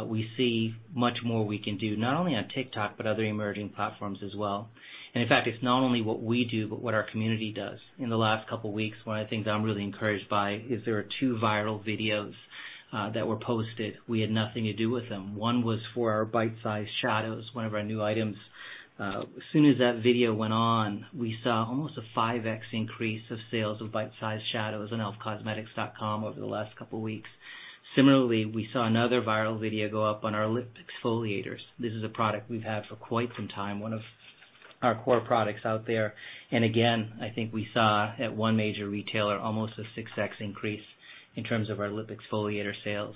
S3: We see much more we can do, not only on TikTok, but other emerging platforms as well. In fact, it's not only what we do, but what our community does. In the last couple of weeks, one of the things I'm really encouraged by is there are two viral videos that were posted. We had nothing to do with them. One was for our Bite-Size Eyeshadow, one of our new items. As soon as that video went on, we saw almost a 5x increase of sales of Bite-Size Eyeshadow on elfcosmetics.com over the last couple of weeks. Similarly, we saw another viral video go up on our lip exfoliators. This is a product we've had for quite some time, one of our core products out there. Again, I think we saw at one major retailer almost a 6x increase in terms of our lip exfoliator sales.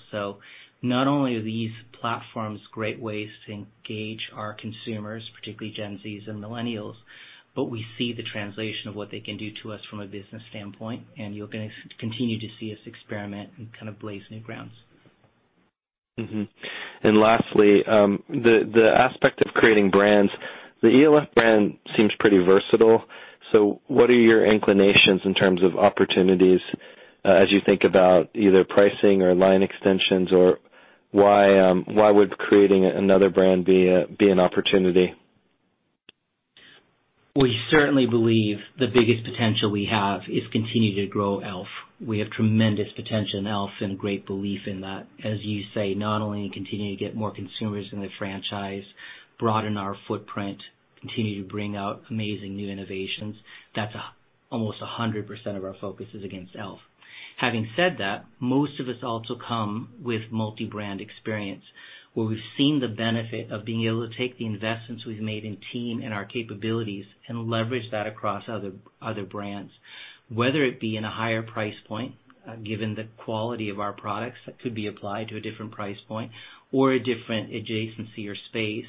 S3: Not only are these platforms great ways to engage our consumers, particularly Gen Z and millennials, but we see the translation of what they can do to us from a business standpoint, and you're going to continue to see us experiment and kind of blaze new grounds.
S10: Lastly, the aspect of creating brands, the e.l.f. brand seems pretty versatile. What are your inclinations in terms of opportunities, as you think about either pricing or line extensions, or why would creating another brand be an opportunity?
S3: We certainly believe the biggest potential we have is continuing to grow e.l.f. We have tremendous potential in e.l.f. and great belief in that, as you say, not only in continuing to get more consumers in the franchise, broaden our footprint, continue to bring out amazing new innovations. Almost 100% of our focus is against e.l.f. Having said that, most of us also come with multi-brand experience, where we've seen the benefit of being able to take the investments we've made in team and our capabilities and leverage that across other brands, whether it be in a higher price point, given the quality of our products that could be applied to a different price point, or a different adjacency or space.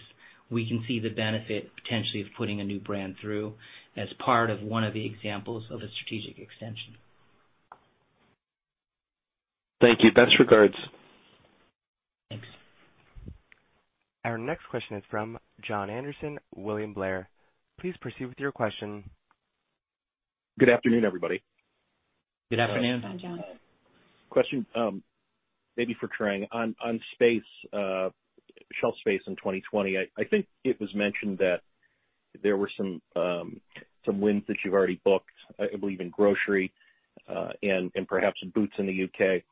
S3: We can see the benefit, potentially, of putting a new brand through as part of one of the examples of a strategic extension.
S10: Thank you. Best regards.
S3: Thanks.
S1: Our next question is from Jon Andersen, William Blair. Please proceed with your question.
S11: Good afternoon, everybody.
S3: Good afternoon.
S4: Hi, Jon.
S11: Question, maybe for Tarang. On shelf space in 2020, I think it was mentioned that there were some wins that you've already booked, I believe, in grocery, and perhaps in Boots in the U.K.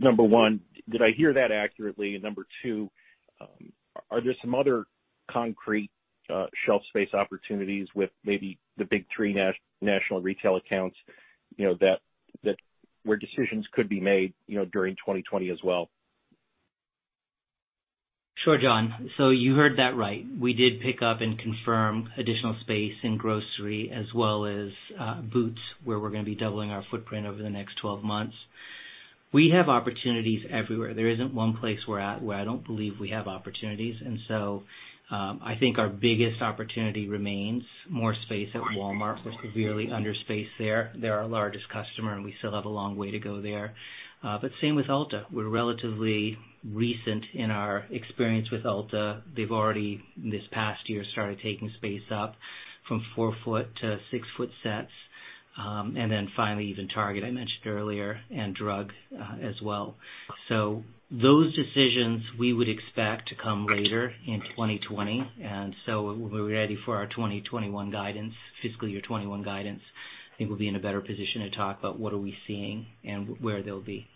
S11: Number one, did I hear that accurately? Number two, are there some other concrete shelf space opportunities with maybe the big three national retail accounts, where decisions could be made during 2020 as well?
S3: Sure, Jon. You heard that right. We did pick up and confirm additional space in grocery as well as Boots, where we're going to be doubling our footprint over the next 12 months. We have opportunities everywhere. There isn't one place where I don't believe we have opportunities. I think our biggest opportunity remains more space at Walmart. We're severely under space there. They're our largest customer, and we still have a long way to go there. Same with Ulta. We're relatively recent in our experience with Ulta. They've already, this past year, started taking space up from 4 ft to 6 ft sets. Finally, even Target, I mentioned earlier, and drug as well. Those decisions we would expect to come later in 2020. When we're ready for our 2021 guidance, fiscal year 2021 guidance, I think we'll be in a better position to talk about what are we seeing and where they'll be.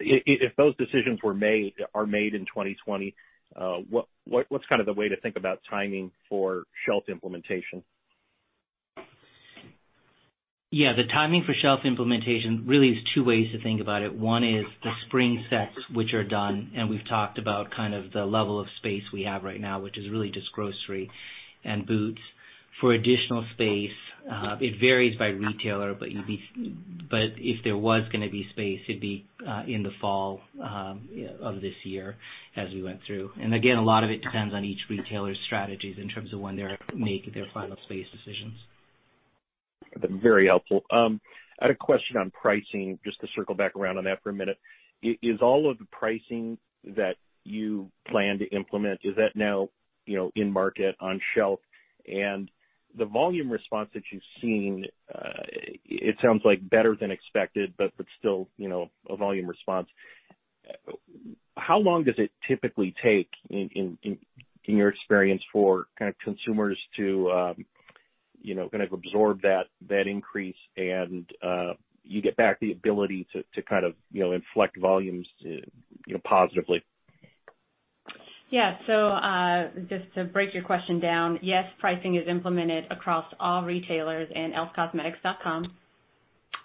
S11: If those decisions are made in 2020, what's the way to think about timing for shelf implementation?
S3: The timing for shelf implementation really is two ways to think about it. One is the spring sets, which are done, and we've talked about the level of space we have right now, which is really just grocery and Boots. For additional space, it varies by retailer, but if there was going to be space, it'd be in the fall of this year as we went through. Again, a lot of it depends on each retailer's strategies in terms of when they're making their final space decisions.
S11: Very helpful. I had a question on pricing, just to circle back around on that for a minute. Is all of the pricing that you plan to implement, is that now in market, on shelf? The volume response that you've seen, it sounds like better than expected, but still a volume response. How long does it typically take, in your experience, for consumers to absorb that increase, and you get back the ability to inflect volumes positively?
S4: Just to break your question down, yes, pricing is implemented across all retailers and elfcosmetics.com.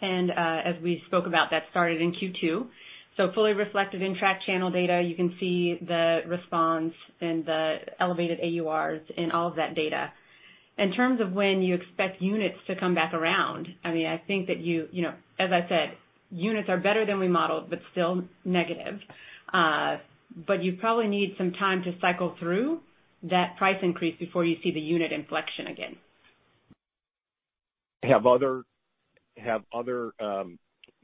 S4: As we spoke about, that started in Q2. Fully reflected in track channel data, you can see the response and the elevated AURs in all of that data. In terms of when you expect units to come back around, as I said, units are better than we modeled, but still negative. You probably need some time to cycle through that price increase before you see the unit inflection again.
S11: Have other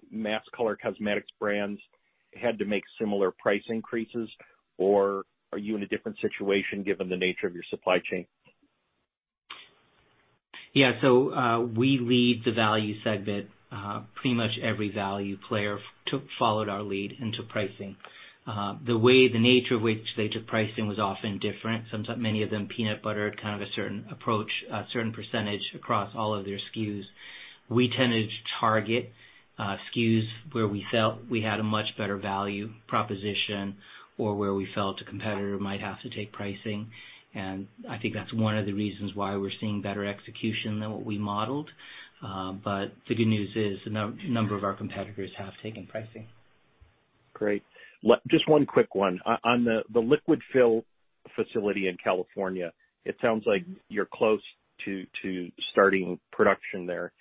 S11: mass color cosmetics brands had to make similar price increases, or are you in a different situation given the nature of your supply chain?
S3: Yeah. We lead the value segment. Pretty much every value player followed our lead into pricing. The way the nature of which they took pricing was often different. Many of them peanut butter, kind of a certain approach, a certain percentage across all of their SKUs. We tended to target SKUs where we felt we had a much better value proposition or where we felt a competitor might have to take pricing. I think that's one of the reasons why we're seeing better execution than what we modeled. The good news is, a number of our competitors have taken pricing.
S11: Great. Just one quick one. On the liquid fill facility in California, it sounds like you're close to starting production there.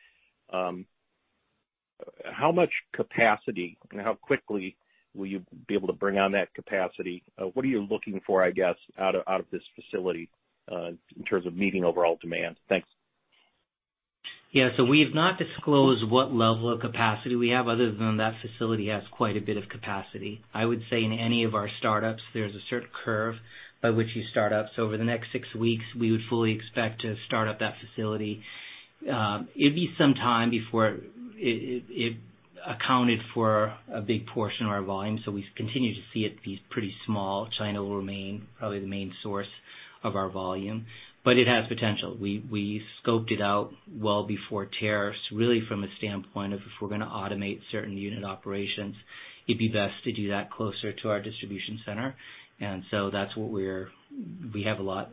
S11: How much capacity, and how quickly will you be able to bring on that capacity? What are you looking for out of this facility, in terms of meeting overall demand? Thanks.
S3: We've not disclosed what level of capacity we have other than that facility has quite a bit of capacity. I would say in any of our startups, there's a certain curve by which you start up. Over the next six weeks, we would fully expect to start up that facility. It'd be some time before it accounted for a big portion of our volume, so we continue to see it be pretty small. China will remain probably the main source of our volume, but it has potential. We scoped it out well before tariffs, really from a standpoint of if we're going to automate certain unit operations, it'd be best to do that closer to our distribution center. That's what we have a lot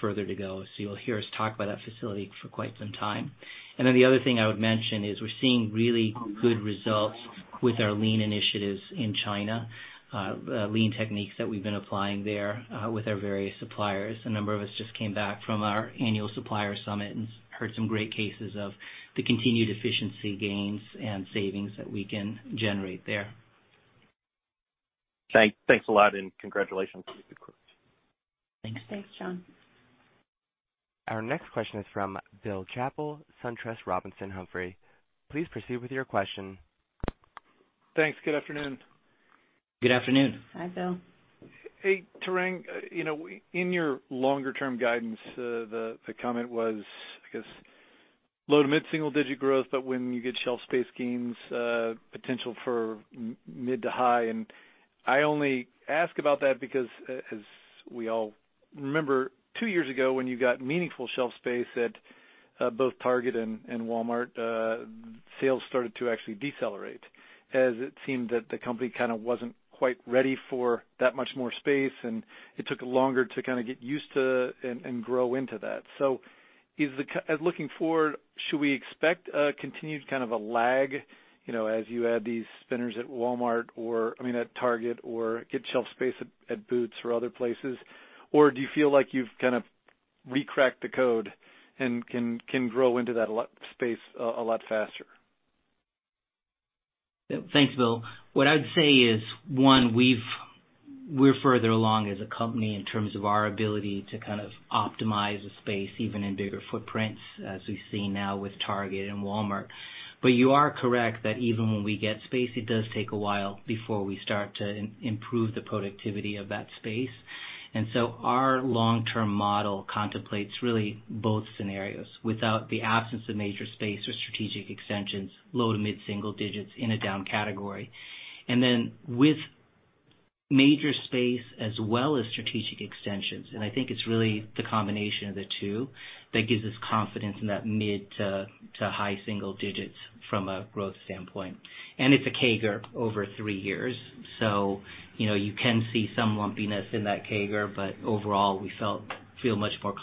S3: further to go. You'll hear us talk about that facility for quite some time. The other thing I would mention is we're seeing really good results with our lean initiatives in China, lean techniques that we've been applying there, with our various suppliers. A number of us just came back from our annual supplier summit and heard some great cases of the continued efficiency gains and savings that we can generate there.
S11: Thanks a lot, congratulations on the good quarter.
S3: Thanks.
S4: Thanks, Jon.
S1: Our next question is from Bill Chappell, SunTrust Robinson Humphrey. Please proceed with your question.
S12: Thanks. Good afternoon.
S3: Good afternoon.
S4: Hi, Bill.
S12: Hey, Tarang. In your longer term guidance, the comment was, I guess, low to mid single digit growth, but when you get shelf space gains, potential for mid to high. I only ask about that because, as we all remember, two years ago when you got meaningful shelf space at both Target and Walmart, sales started to actually decelerate as it seemed that the company kind of wasn't quite ready for that much more space, and it took longer to kind of get used to and grow into that. Looking forward, should we expect a continued kind of a lag as you add these spinners at Target or get shelf space at Boots or other places? Do you feel like you've kind of re-cracked the code and can grow into that space a lot faster?
S3: Thanks, Bill. What I'd say is, one, we're further along as a company in terms of our ability to kind of optimize the space even in bigger footprints, as we've seen now with Target and Walmart. You are correct that even when we get space, it does take a while before we start to improve the productivity of that space. Our long-term model contemplates really both scenarios without the absence of major space or strategic extensions, low to mid single digits in a down category. With major space as well as strategic extensions, I think it's really the combination of the two that gives us confidence in that mid to high single digits from a growth standpoint. It's a CAGR over three years. You can see some lumpiness in that CAGR. Overall, we feel much more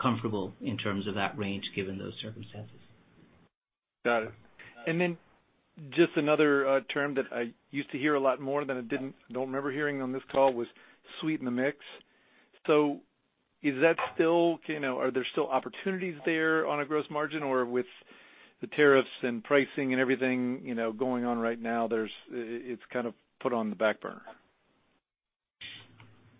S3: comfortable in terms of that range given those circumstances.
S12: Got it. Just another term that I used to hear a lot more than I don't remember hearing on this call was sweeten the mix. Are there still opportunities there on a gross margin? With the tariffs and pricing and everything going on right now, it's kind of put on the back burner?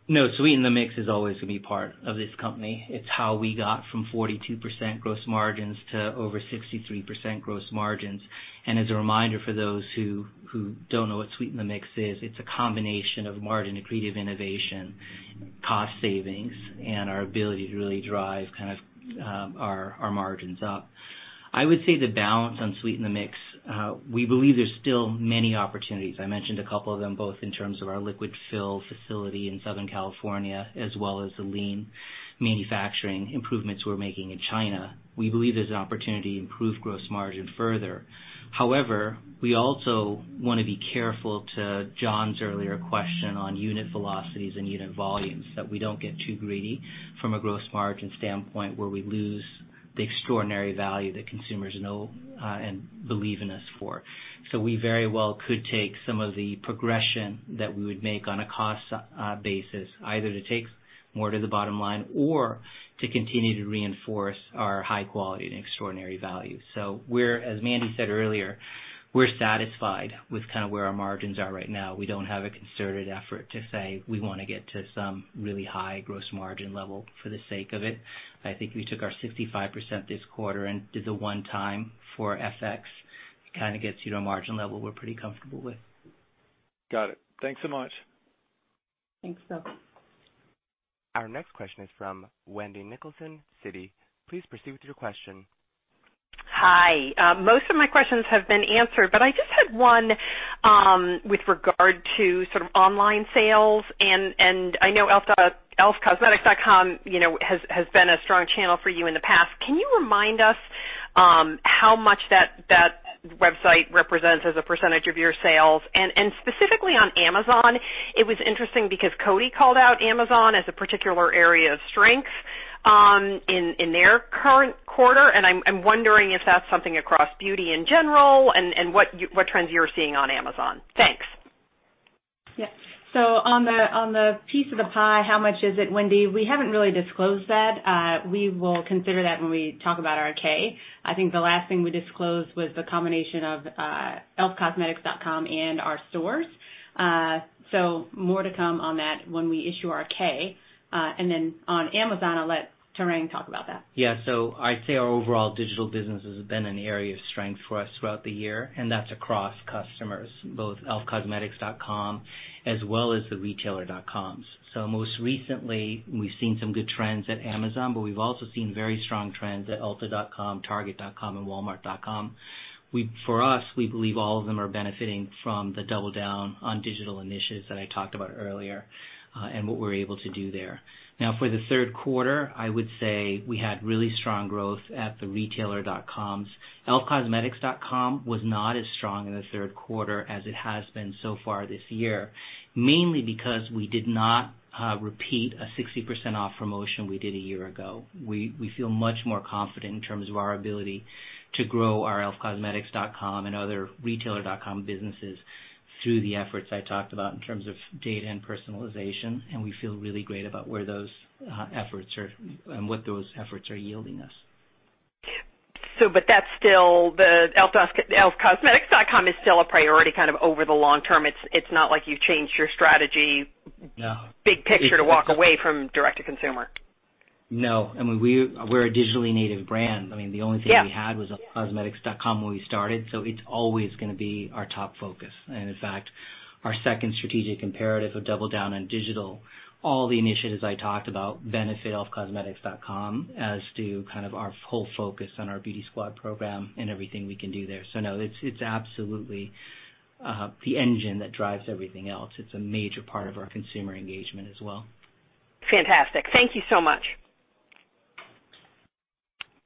S3: No, sweeten the mix is always going to be part of this company. It's how we got from 42% gross margins to over 63% gross margins. As a reminder for those who don't know what sweeten the mix is, it's a combination of margin accretive innovation, cost savings, and our ability to really drive our margins up. I would say the balance on sweeten the mix, we believe there's still many opportunities. I mentioned a couple of them, both in terms of our liquid fill facility in Southern California as well as the lean manufacturing improvements we're making in China. We believe there's an opportunity to improve gross margin further. However, we also want to be careful to Jon's earlier question on unit velocities and unit volumes, that we don't get too greedy from a gross margin standpoint where we lose the extraordinary value that consumers know and believe in us for. We very well could take some of the progression that we would make on a cost basis, either to take more to the bottom line or to continue to reinforce our high quality and extraordinary value. As Mandy said earlier, we're satisfied with kind of where our margins are right now. We don't have a concerted effort to say we want to get to some really high gross margin level for the sake of it. I think we took our 65% this quarter and did the one time for FX. It kind of gets you to a margin level we're pretty comfortable with.
S12: Got it. Thanks so much.
S4: Thanks, Bill.
S1: Our next question is from Wendy Nicholson, Citi. Please proceed with your question.
S13: Hi. Most of my questions have been answered, but I just had one with regard to sort of online sales. I know elfcosmetics.com has been a strong channel for you in the past. Can you remind us how much that website represents as a percentage of your sales? Specifically on Amazon, it was interesting because Coty called out Amazon as a particular area of strength in their current quarter. I'm wondering if that's something across beauty in general and what trends you're seeing on Amazon. Thanks.
S4: On the piece of the pie, how much is it, Wendy? We haven't really disclosed that. We will consider that when we talk about our K. I think the last thing we disclosed was the combination of elfcosmetics.com and our stores. More to come on that when we issue our K. On Amazon, I'll let Tarang talk about that.
S3: Yeah. I'd say our overall digital business has been an area of strength for us throughout the year, and that's across customers, both elfcosmetics.com as well as the retailer dot-coms. Most recently, we've seen some good trends at Amazon, but we've also seen very strong trends at ulta.com, target.com, and walmart.com. For us, we believe all of them are benefiting from the double-down on digital initiatives that I talked about earlier, and what we're able to do there. Now, for the third quarter, I would say we had really strong growth at the retailer dot-coms. elfcosmetics.com was not as strong in the third quarter as it has been so far this year, mainly because we did not repeat a 60% off promotion we did a year ago. We feel much more confident in terms of our ability to grow our elfcosmetics.com and other retailer dot-com businesses through the efforts I talked about in terms of data and personalization. We feel really great about where those efforts are and what those efforts are yielding us.
S13: That's still the elfcosmetics.com is still a priority kind of over the long term. It's not like you've changed your strategy.
S3: No.
S13: Big picture to walk away from direct to consumer.
S3: No. I mean, we're a digitally native brand.
S13: Yeah
S3: We had was elfcosmetics.com when we started. It's always going to be our top focus. In fact, our second strategic imperative of double down on digital, all the initiatives I talked about benefit elfcosmetics.com as to kind of our full focus on our Beauty Squad program and everything we can do there. No, it's absolutely the engine that drives everything else. It's a major part of our consumer engagement as well.
S13: Fantastic. Thank you so much.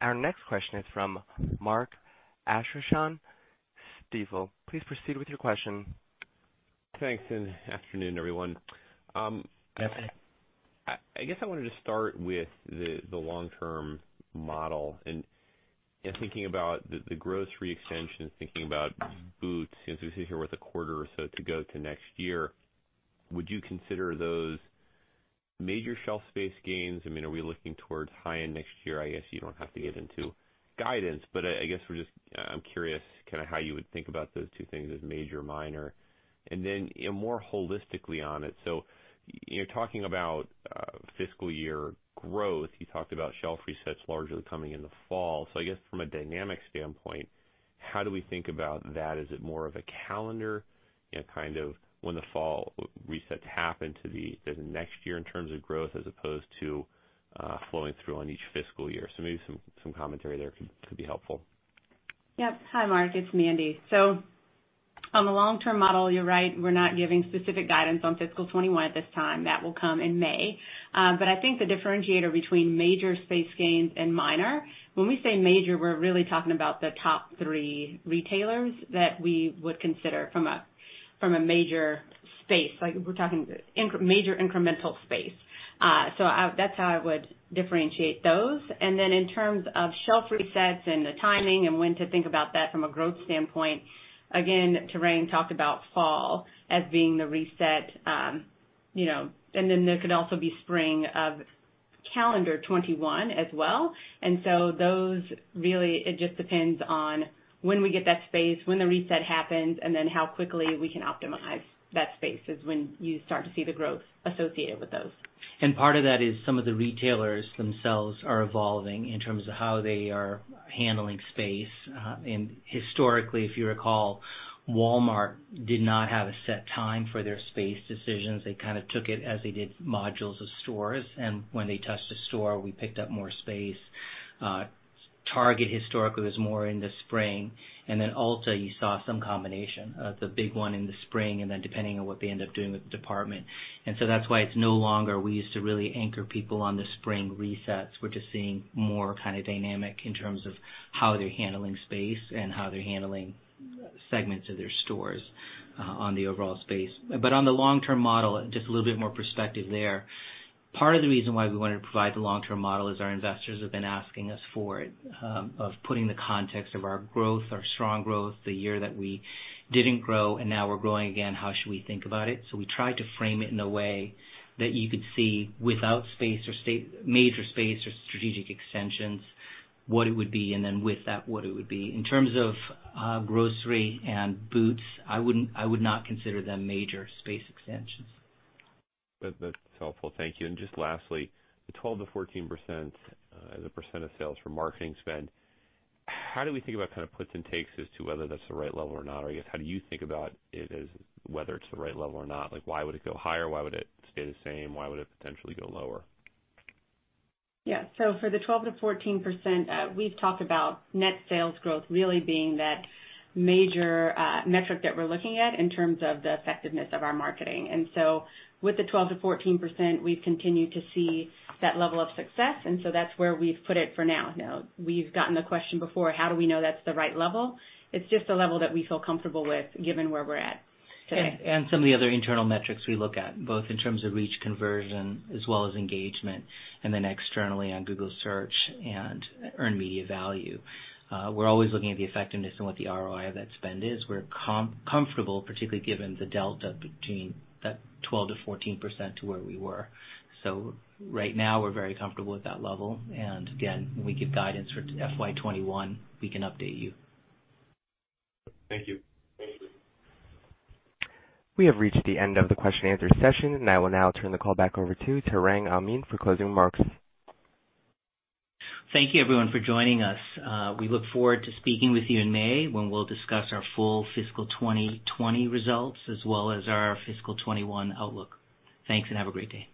S1: Our next question is from Mark Astrachan, Stifel. Please proceed with your question.
S14: Thanks, and afternoon everyone.
S3: Afternoon.
S14: I wanted to start with the long-term model and thinking about the grocery extensions, thinking about Boots, since we sit here with a quarter or so to go to next year, would you consider those major shelf space gains? I mean, are we looking towards high end next year? You don't have to get into guidance, I guess we're just curious kind of how you would think about those two things as major or minor. More holistically on it, you're talking about fiscal year growth. You talked about shelf resets largely coming in the fall. From a dynamic standpoint, how do we think about that? Is it more of a calendar, kind of when the fall resets happen to be next year in terms of growth as opposed to flowing through on each fiscal year? Maybe some commentary there could be helpful.
S4: Yep. Hi, Mark. It's Mandy. On the long term model, you're right, we're not giving specific guidance on fiscal 2021 at this time. That will come in May. I think the differentiator between major space gains and minor, when we say major, we're really talking about the top three retailers that we would consider from a major space. Like we're talking major incremental space. That's how I would differentiate those. In terms of shelf resets and the timing and when to think about that from a growth standpoint, again, Tarang talked about fall as being the reset, and then there could also be spring of calendar 2021 as well. Those really, it just depends on when we get that space when the reset happens, and then how quickly we can optimize that space is when you start to see the growth associated with those.
S3: Part of that is some of the retailers themselves are evolving in terms of how they are handling space. Historically, if you recall, Walmart did not have a set time for their space decisions. They kind of took it as they did modules of stores. When they touched a store, we picked up more space. Target historically was more in the spring. Ulta, you saw some combination of the big one in the spring and then depending on what they end up doing with the department. That's why it's no longer, we used to really anchor people on the spring resets. We're just seeing more kind of dynamic in terms of how they're handling space and how they're handling segments of their stores on the overall space. On the long-term model, just a little bit more perspective there. Part of the reason why we wanted to provide the long-term model is our investors have been asking us for it, of putting the context of our growth, our strong growth, the year that we didn't grow, and now we're growing again. How should we think about it? We tried to frame it in a way that you could see without space or major space or strategic extensions, what it would be, and then with that, what it would be. In terms of grocery and Boots, I would not consider them major space extensions.
S14: That's helpful. Thank you. Just lastly, the 12%-14% as a % of sales for marketing spend, how do we think about kind of puts and takes as to whether that's the right level or not? How do you think about it as whether it's the right level or not? Like, why would it go higher? Why would it stay the same? Why would it potentially go lower?
S4: Yeah. For the 12%-14%, we've talked about net sales growth really being that major metric that we're looking at in terms of the effectiveness of our marketing. With the 12%-14%, we've continued to see that level of success. That's where we've put it for now. We've gotten the question before, how do we know that's the right level? It's just a level that we feel comfortable with given where we're at today.
S3: Some of the other internal metrics we look at, both in terms of reach conversion as well as engagement, then externally on Google Search and earned media value. We're always looking at the effectiveness and what the ROI of that spend is. We're comfortable, particularly given the delta between that 12%-14% to where we were. Right now, we're very comfortable with that level. Again, when we give guidance for FY 2021, we can update you.
S14: Thank you.
S1: We have reached the end of the question and answer session. I will now turn the call back over to Tarang Amin for closing remarks.
S3: Thank you everyone for joining us. We look forward to speaking with you in May when we'll discuss our full fiscal 2020 results as well as our fiscal 2021 outlook. Thanks, and have a great day.